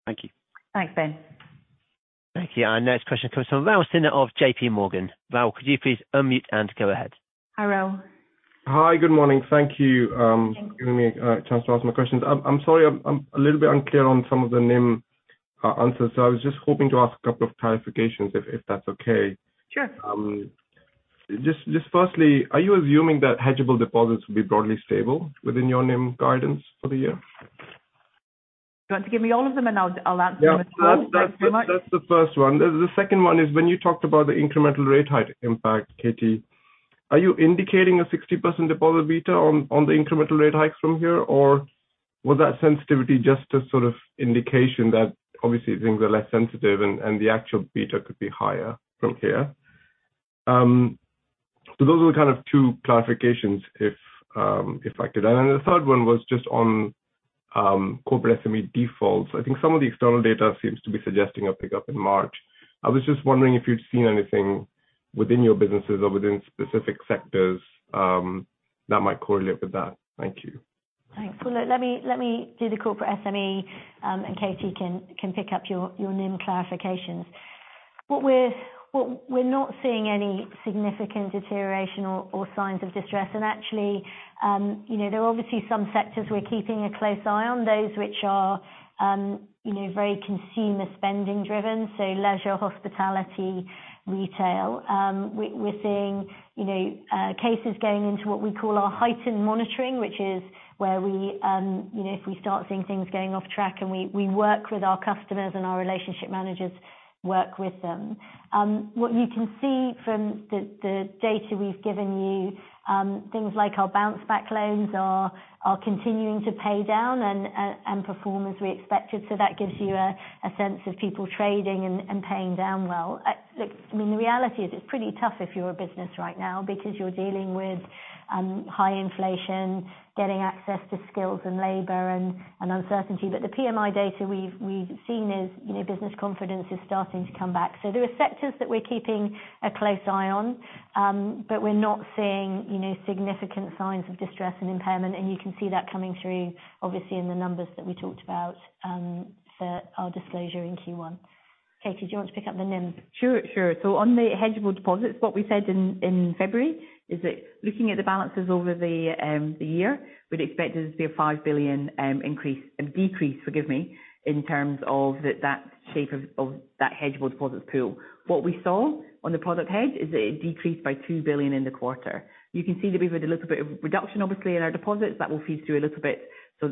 Thank you. Thanks, Ben. Thank you. Our next question comes from Raul Sinha of JPMorgan. Raul, could you please unmute and go ahead. Hi, Rahul. Hi. Good morning. Thank you. Thanks ...for giving me a chance to ask my questions. I'm sorry, I'm a little bit unclear on some of the NIM answers. I was just hoping to ask a couple of clarifications if that's okay. Sure. Just firstly, are you assuming that hedgeable deposits will be broadly stable within your NIM guidance for the year? You want to give me all of them and I'll answer them at once? That's the first one. The second one is when you talked about the incremental rate hike impact, Katie, are you indicating a 60% deposit beta on the incremental rate hikes from here? Or was that sensitivity just a sort of indication that obviously things are less sensitive and the actual beta could be higher from here? Those are the kind of two clarifications if I could. The third one was just on corporate SME defaults. I think some of the external data seems to be suggesting a pickup in March. I was just wondering if you'd seen anything within your businesses or within specific sectors that might correlate with that. Thank you. Thanks. Well, let me do the corporate SME, and Katie can pick up your NIM clarifications. What we're not seeing any significant deterioration or signs of distress. Actually, you know, there are obviously some sectors we're keeping a close eye on, those which are, you know, very consumer spending driven, so leisure, hospitality, retail. We're seeing, you know, cases going into what we call our heightened monitoring, which is where we, you know, if we start seeing things going off track and we work with our customers and our relationship managers work with them. What you can see from the data we've given you, things like our Bounce Back Loans are continuing to pay down and perform as we expected. That gives you a sense of people trading and paying down well. Look, I mean, the reality is it's pretty tough if you're a business right now because you're dealing with high inflation, getting access to skills and labor and uncertainty. The PMI data we've seen is, you know, business confidence is starting to come back. There are sectors that we're keeping a close eye on, but we're not seeing, you know, significant signs of distress and impairment. You can see that coming through obviously in the numbers that we talked about for our disclosure in Q1. Katie, do you want to pick up the NIM? Sure. On the hedgeable deposits, what we said in February is that looking at the balances over the year, we'd expect there to be a 5 billion decrease, forgive me, in terms of that shape of that hedgeable deposits pool. What we saw on the product hedge is that it decreased by 2 billion in the quarter. You can see that we've had a little bit of reduction obviously in our deposits. That will feed through a little bit.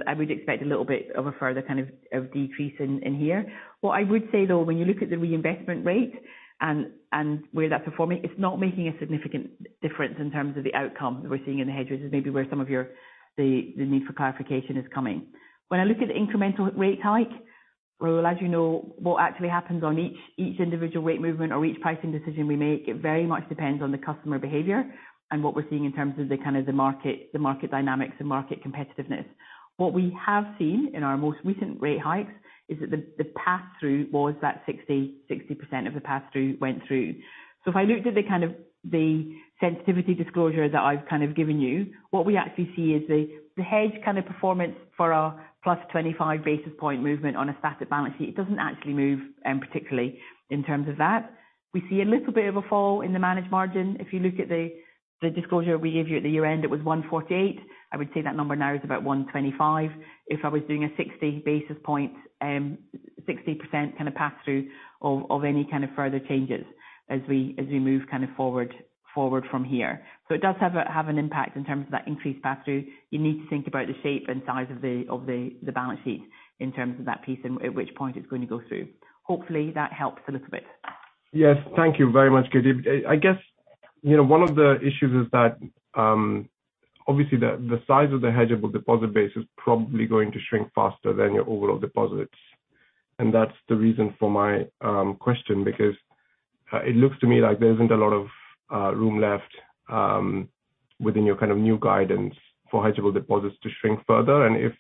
I would expect a little bit of a further kind of decrease in here. What I would say though, when you look at the reinvestment rate and where that's performing, it's not making a significant difference in terms of the outcome we're seeing in the hedges. This is maybe where the need for clarification is coming. When I look at the incremental rate hike, Raul, as you know, what actually happens on each individual rate movement or each pricing decision we make, it very much depends on the customer behavior and what we're seeing in terms of the kind of the market, the market dynamics and market competitiveness. What we have seen in our most recent rate hikes is that the pass-through was that 60% of the pass-through went through. If I looked at the kind of the sensitivity disclosure that I've kind of given you, what we actually see is the hedge kind of performance for our plus 25 basis point movement on a static balance sheet, it doesn't actually move particularly in terms of that. We see a little bit of a fall in the managed margin. If you look at the disclosure we gave you at the year-end, it was 148. I would say that number now is about 125. If I was doing a 60 basis points, 60% kind of pass-through of any kind of further changes as we move kind of forward from here. It does have an impact in terms of that increased pass-through. You need to think about the shape and size of the balance sheet in terms of that piece and at which point it's going to go through. Hopefully, that helps a little bit. Yes. Thank you very much, Katie. I guess, you know, one of the issues is that, obviously the size of the hedgeable deposit base is probably going to shrink faster than your overall deposits. That's the reason for my question, because it looks to me like there isn't a lot of room left within your kind of new guidance for hedgeable deposits to shrink further. If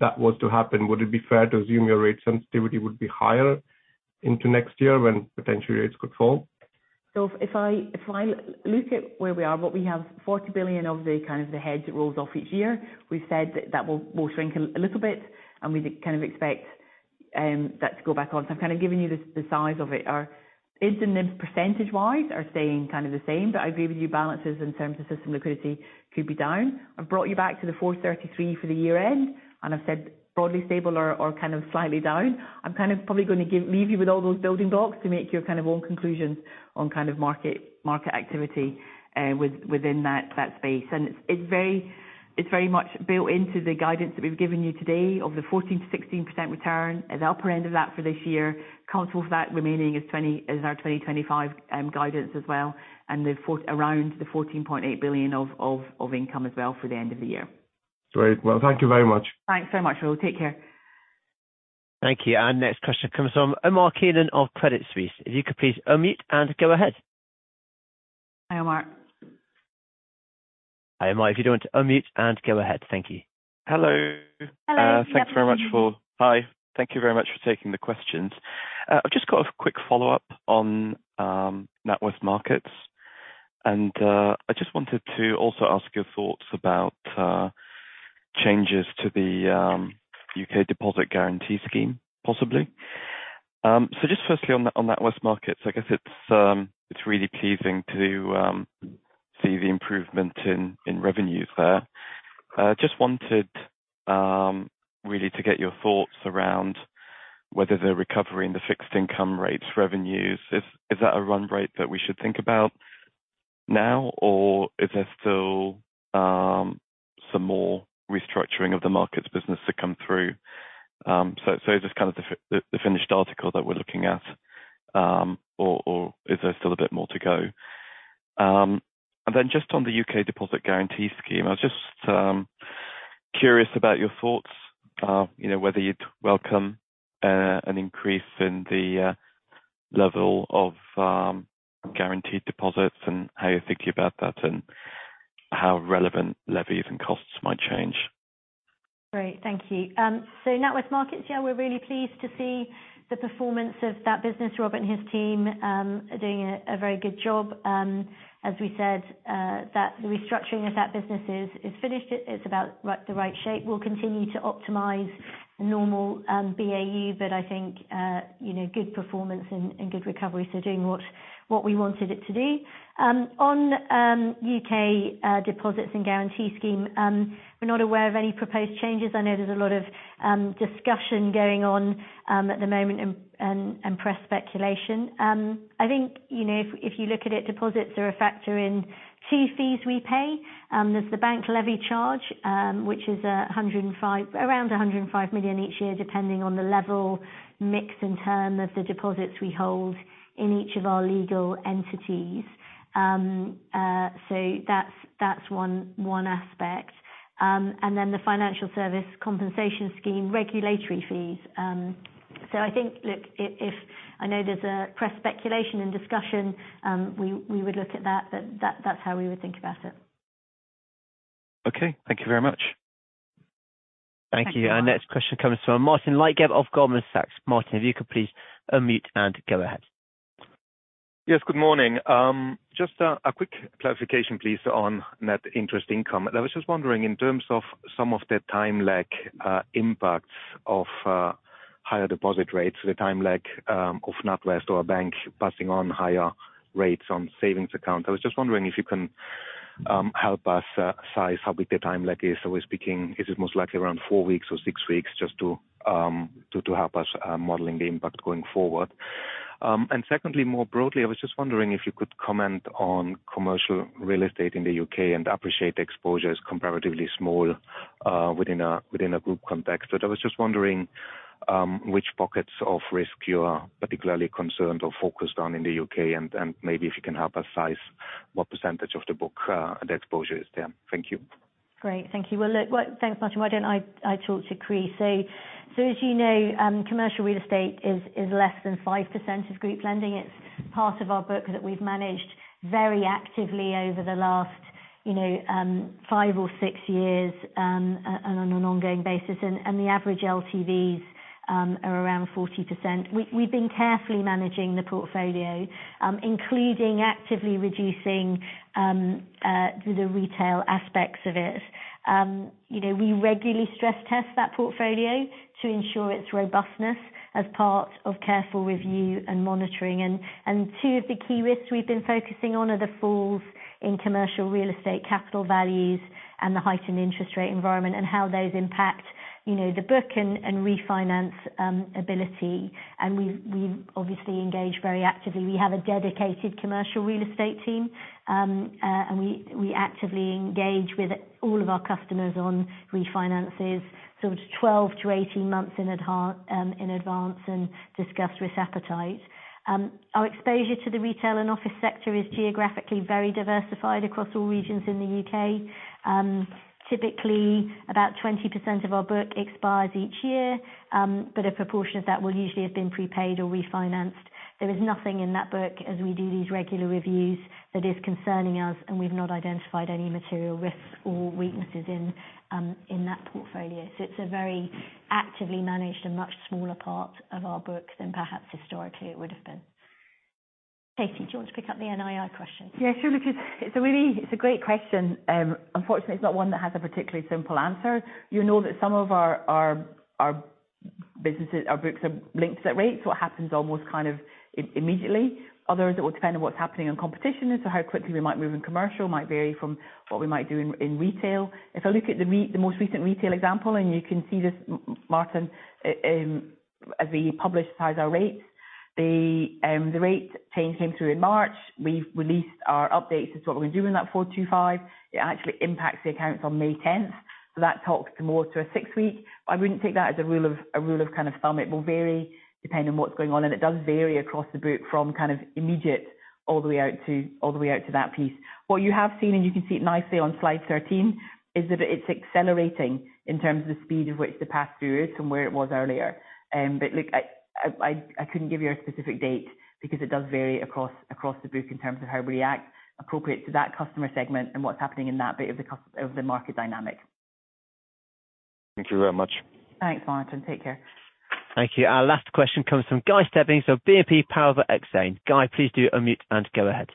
that was to happen, would it be fair to assume your rate sensitivity would be higher into next year when potentially rates could fall? If I look at where we are, what we have, 40 billion of the kind of the hedge that rolls off each year, we've said that that will shrink a little bit, and we kind of expect that to go back on. I'm kind of giving you the size of it. It's the NIM percentage-wise are staying kind of the same, I agree with you balances in terms of system liquidity could be down. I've brought you back to the 433 for the year-end, I've said broadly stable or kind of slightly down. I'm kind of probably gonna leave you with all those building blocks to make your kind of own conclusions on kind of market activity within that space. It's very much built into the guidance that we've given you today of the 14%-16% return at the upper end of that for this year. Comfortable for that remaining is our 2025 guidance as well. Around the 14.8 billion of income as well for the end of the year. Great. Thank you very much. Thanks very much, Raul. Take care. Thank you. Next question comes from Umar Khan of Credit Suisse. If you could please unmute and go ahead. Hi, Umar. Hi, if you'd want to unmute and go ahead. Thank you. Hello. Hello. Hi. Thank you very much for taking the questions. I've just got a quick follow-up on NatWest Markets. I just wanted to also ask your thoughts about changes to the U.K. deposit guarantee scheme, possibly. Just firstly on NatWest Markets, I guess it's really pleasing to see the improvement in revenues there. I just wanted really to get your thoughts around whether the recovery in the fixed income rates revenues, is that a run rate that we should think about now, or is there still some more restructuring of the Markets business to come through? Is this kind of the finished article that we're looking at, or is there still a bit more to go? Then just on the UK deposit guarantee scheme, I was just curious about your thoughts, you know, whether you'd welcome an increase in the level of guaranteed deposits and how you're thinking about that and how relevant levies and costs might change. Great. Thank you. NatWest Markets, yeah, we're really pleased to see the performance of that business. Robin and his team are doing a very good job. As we said, the restructuring of that business is finished. It's about the right shape. We'll continue to optimize the normal BAU, I think, you know, good performance and good recovery, so doing what we wanted it to do. On UK deposits and guarantee scheme, we're not aware of any proposed changes. I know there's a lot of discussion going on at the moment and press speculation. I think, you know, if you look at it, deposits are a factor in 2 fees we pay. There's the bank levy charge, which is around 105 million each year, depending on the level, mix, and term of the deposits we hold in each of our legal entities. That's one aspect. The Financial Services Compensation Scheme, regulatory fees. I think, look, if... I know there's a press speculation and discussion, we would look at that, but that's how we would think about it. Okay. Thank you very much. Thank you. Thank you. Our next question comes from Martin Leitgeb of Goldman Sachs. Martin, if you could please unmute and go ahead. Yes, good morning. Just a quick clarification please, on net interest income. I was just wondering in terms of some of the time lag, impacts of higher deposit rates, the time lag of NatWest or a bank passing on higher rates on savings accounts. I was just wondering if you can help us size how big the time lag is. We're speaking, is it most likely around four weeks or six weeks just to help us modeling the impact going forward. Secondly, more broadly, I was just wondering if you could comment on commercial real estate in The U.K and appreciate the exposure is comparatively small within a group context. I was just wondering, which pockets of risk you are particularly concerned or focused on in The U.K. and maybe if you can help us size what % of the book, the exposure is there. Thank you. Great. Thank you. Look, thanks, Martin. Why don't I talk to Chris? As you know, commercial real estate is less than 5% of group lending. It's part of our book that we've managed very actively over the last, you know, 5 or 6 years, on an ongoing basis. The average LTVs are around 40%. We've been carefully managing the portfolio, including actively reducing the retail aspects of it. You know, we regularly stress test that portfolio to ensure its robustness as part of careful review and monitoring. Two of the key risks we've been focusing on are the falls in commercial real estate capital values and the heightened interest rate environment and how those impact, you know, the book and refinance ability. We obviously engage very actively. We have a dedicated commercial real estate team, we actively engage with all of our customers on refinances sort of 12-18 months in advance, in advance and discuss risk appetite. Our exposure to the retail and office sector is geographically very diversified across all regions in the UK. Typically, about 20% of our book expires each year, but a proportion of that will usually have been prepaid or refinanced. There is nothing in that book as we do these regular reviews that is concerning us, and we've not identified any material risks or weaknesses in that portfolio. It's a very actively managed and much smaller part of our book than perhaps historically it would have been. Katie, do you want to pick up the NII question? Yeah, sure, because it's a great question. Unfortunately, it's not one that has a particularly simple answer. You know that some of our businesses, our books are linked to that rate, so it happens almost kind of immediately. Others, it will depend on what's happening on competition. How quickly we might move in commercial might vary from what we might do in retail. If I look at the most recent retail example, and you can see this, Martin, as we publish, size our rates. The rate change came through in March. We've released our update as to what we've been doing in that 425. It actually impacts the accounts on May 10th. That talks more to a six week. I wouldn't take that as a rule of kind of thumb. It will vary depending on what's going on. It does vary across the group from kind of immediate all the way out to that piece. What you have seen, and you can see it nicely on slide 13, is that it's accelerating in terms of the speed of which the pass-through is from where it was earlier. Look, I couldn't give you a specific date because it does vary across the group in terms of how we act appropriate to that customer segment and what's happening in that bit of the market dynamic. Thank you very much. Thanks, Martin. Take care. Thank you. Our last question comes from Guy Stebbings of BNP Paribas Exane. Guy, please do unmute and go ahead.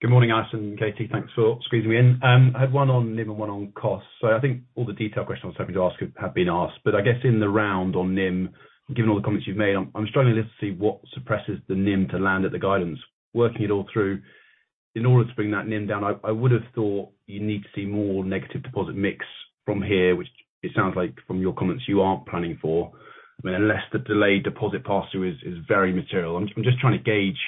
Good morning, Alison and Katie. Thanks for squeezing me in. I had one on NIM and one on cost. I think all the detailed questions I was hoping to ask have been asked. I guess in the round on NIM, given all the comments you've made, I'm struggling to see what suppresses the NIM to land at the guidance. Working it all through, in order to bring that NIM down, I would have thought you need to see more negative deposit mix from here, which it sounds like from your comments you aren't planning for. I mean, unless the delayed deposit pass-through is very material. I'm just trying to gauge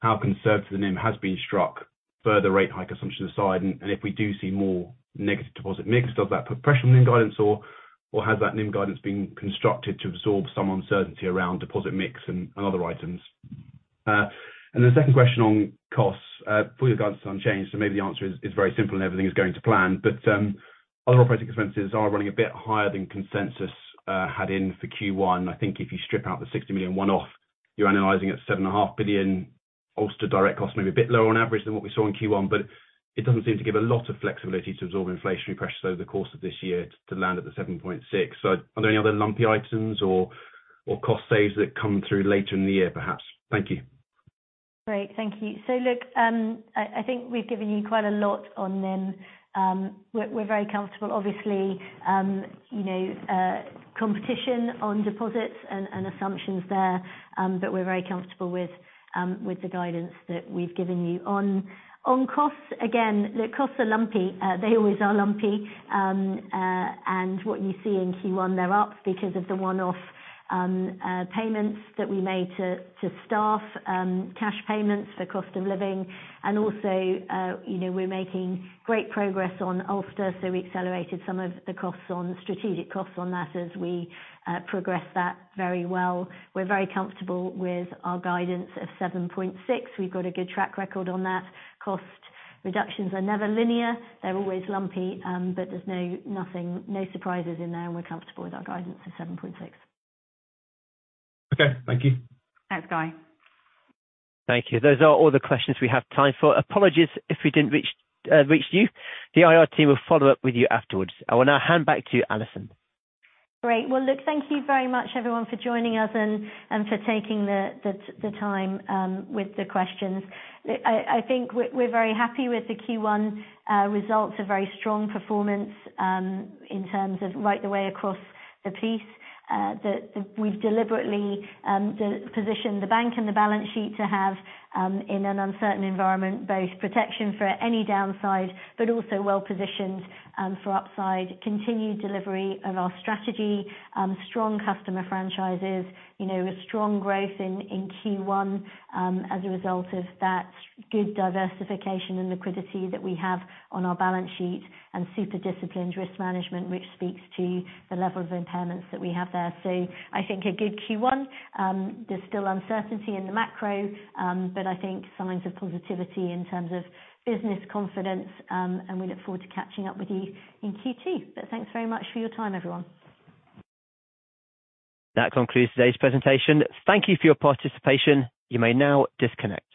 how conservative the NIM has been struck, further rate hike assumptions aside. If we do see more negative deposit mix, does that put pressure on NIM guidance or has that NIM guidance been constructed to absorb some uncertainty around deposit mix and other items? The second question on costs. For your guidance unchanged, maybe the answer is very simple and everything is going to plan. Other operating expenses are running a bit higher than consensus had in for Q1. I think if you strip out the 60 million one-off, you're analyzing at 7.5 billion Ulster direct costs, maybe a bit lower on average than what we saw in Q1. It doesn't seem to give a lot of flexibility to absorb inflationary pressures over the course of this year to land at the 7.6 billion. Are there any other lumpy items or cost saves that come through later in the year, perhaps? Thank you. Great. Thank you. Look, I think we've given you quite a lot on NIM. We're very comfortable obviously, you know, competition on deposits and assumptions there. We're very comfortable with the guidance that we've given you. On costs, again, the costs are lumpy. They always are lumpy. What you see in Q1, they're up because of the one-off payments that we made to staff, cash payments for cost of living. Also, you know, we're making great progress on Ulster, we accelerated some of the strategic costs on that as we progress that very well. We're very comfortable with our guidance of 7.6. We've got a good track record on that. Cost reductions are never linear. They're always lumpy. There's no nothing, no surprises in there. We're comfortable with our guidance of 7.6%. Okay. Thank you. Thanks, Guy. Thank you. Those are all the questions we have time for. Apologies if we didn't reach you. The IR team will follow up with you afterwards. I will now hand back to you, Alison. Great. Well, look, thank you very much everyone for joining us and for taking the time with the questions. I think we're very happy with the Q1 results. A very strong performance in terms of right the way across the piece. We've deliberately positioned the bank and the balance sheet to have in an uncertain environment, both protection for any downside, but also well-positioned for upside continued delivery of our strategy. Strong customer franchises, you know, with strong growth in Q1, as a result of that good diversification and liquidity that we have on our balance sheet and super disciplined risk management, which speaks to the levels of impairments that we have there. I think a good Q1. There's still uncertainty in the macro, but I think signs of positivity in terms of business confidence, and we look forward to catching up with you in Q2. Thanks very much for your time, everyone. That concludes today's presentation. Thank you for your participation. You may now disconnect.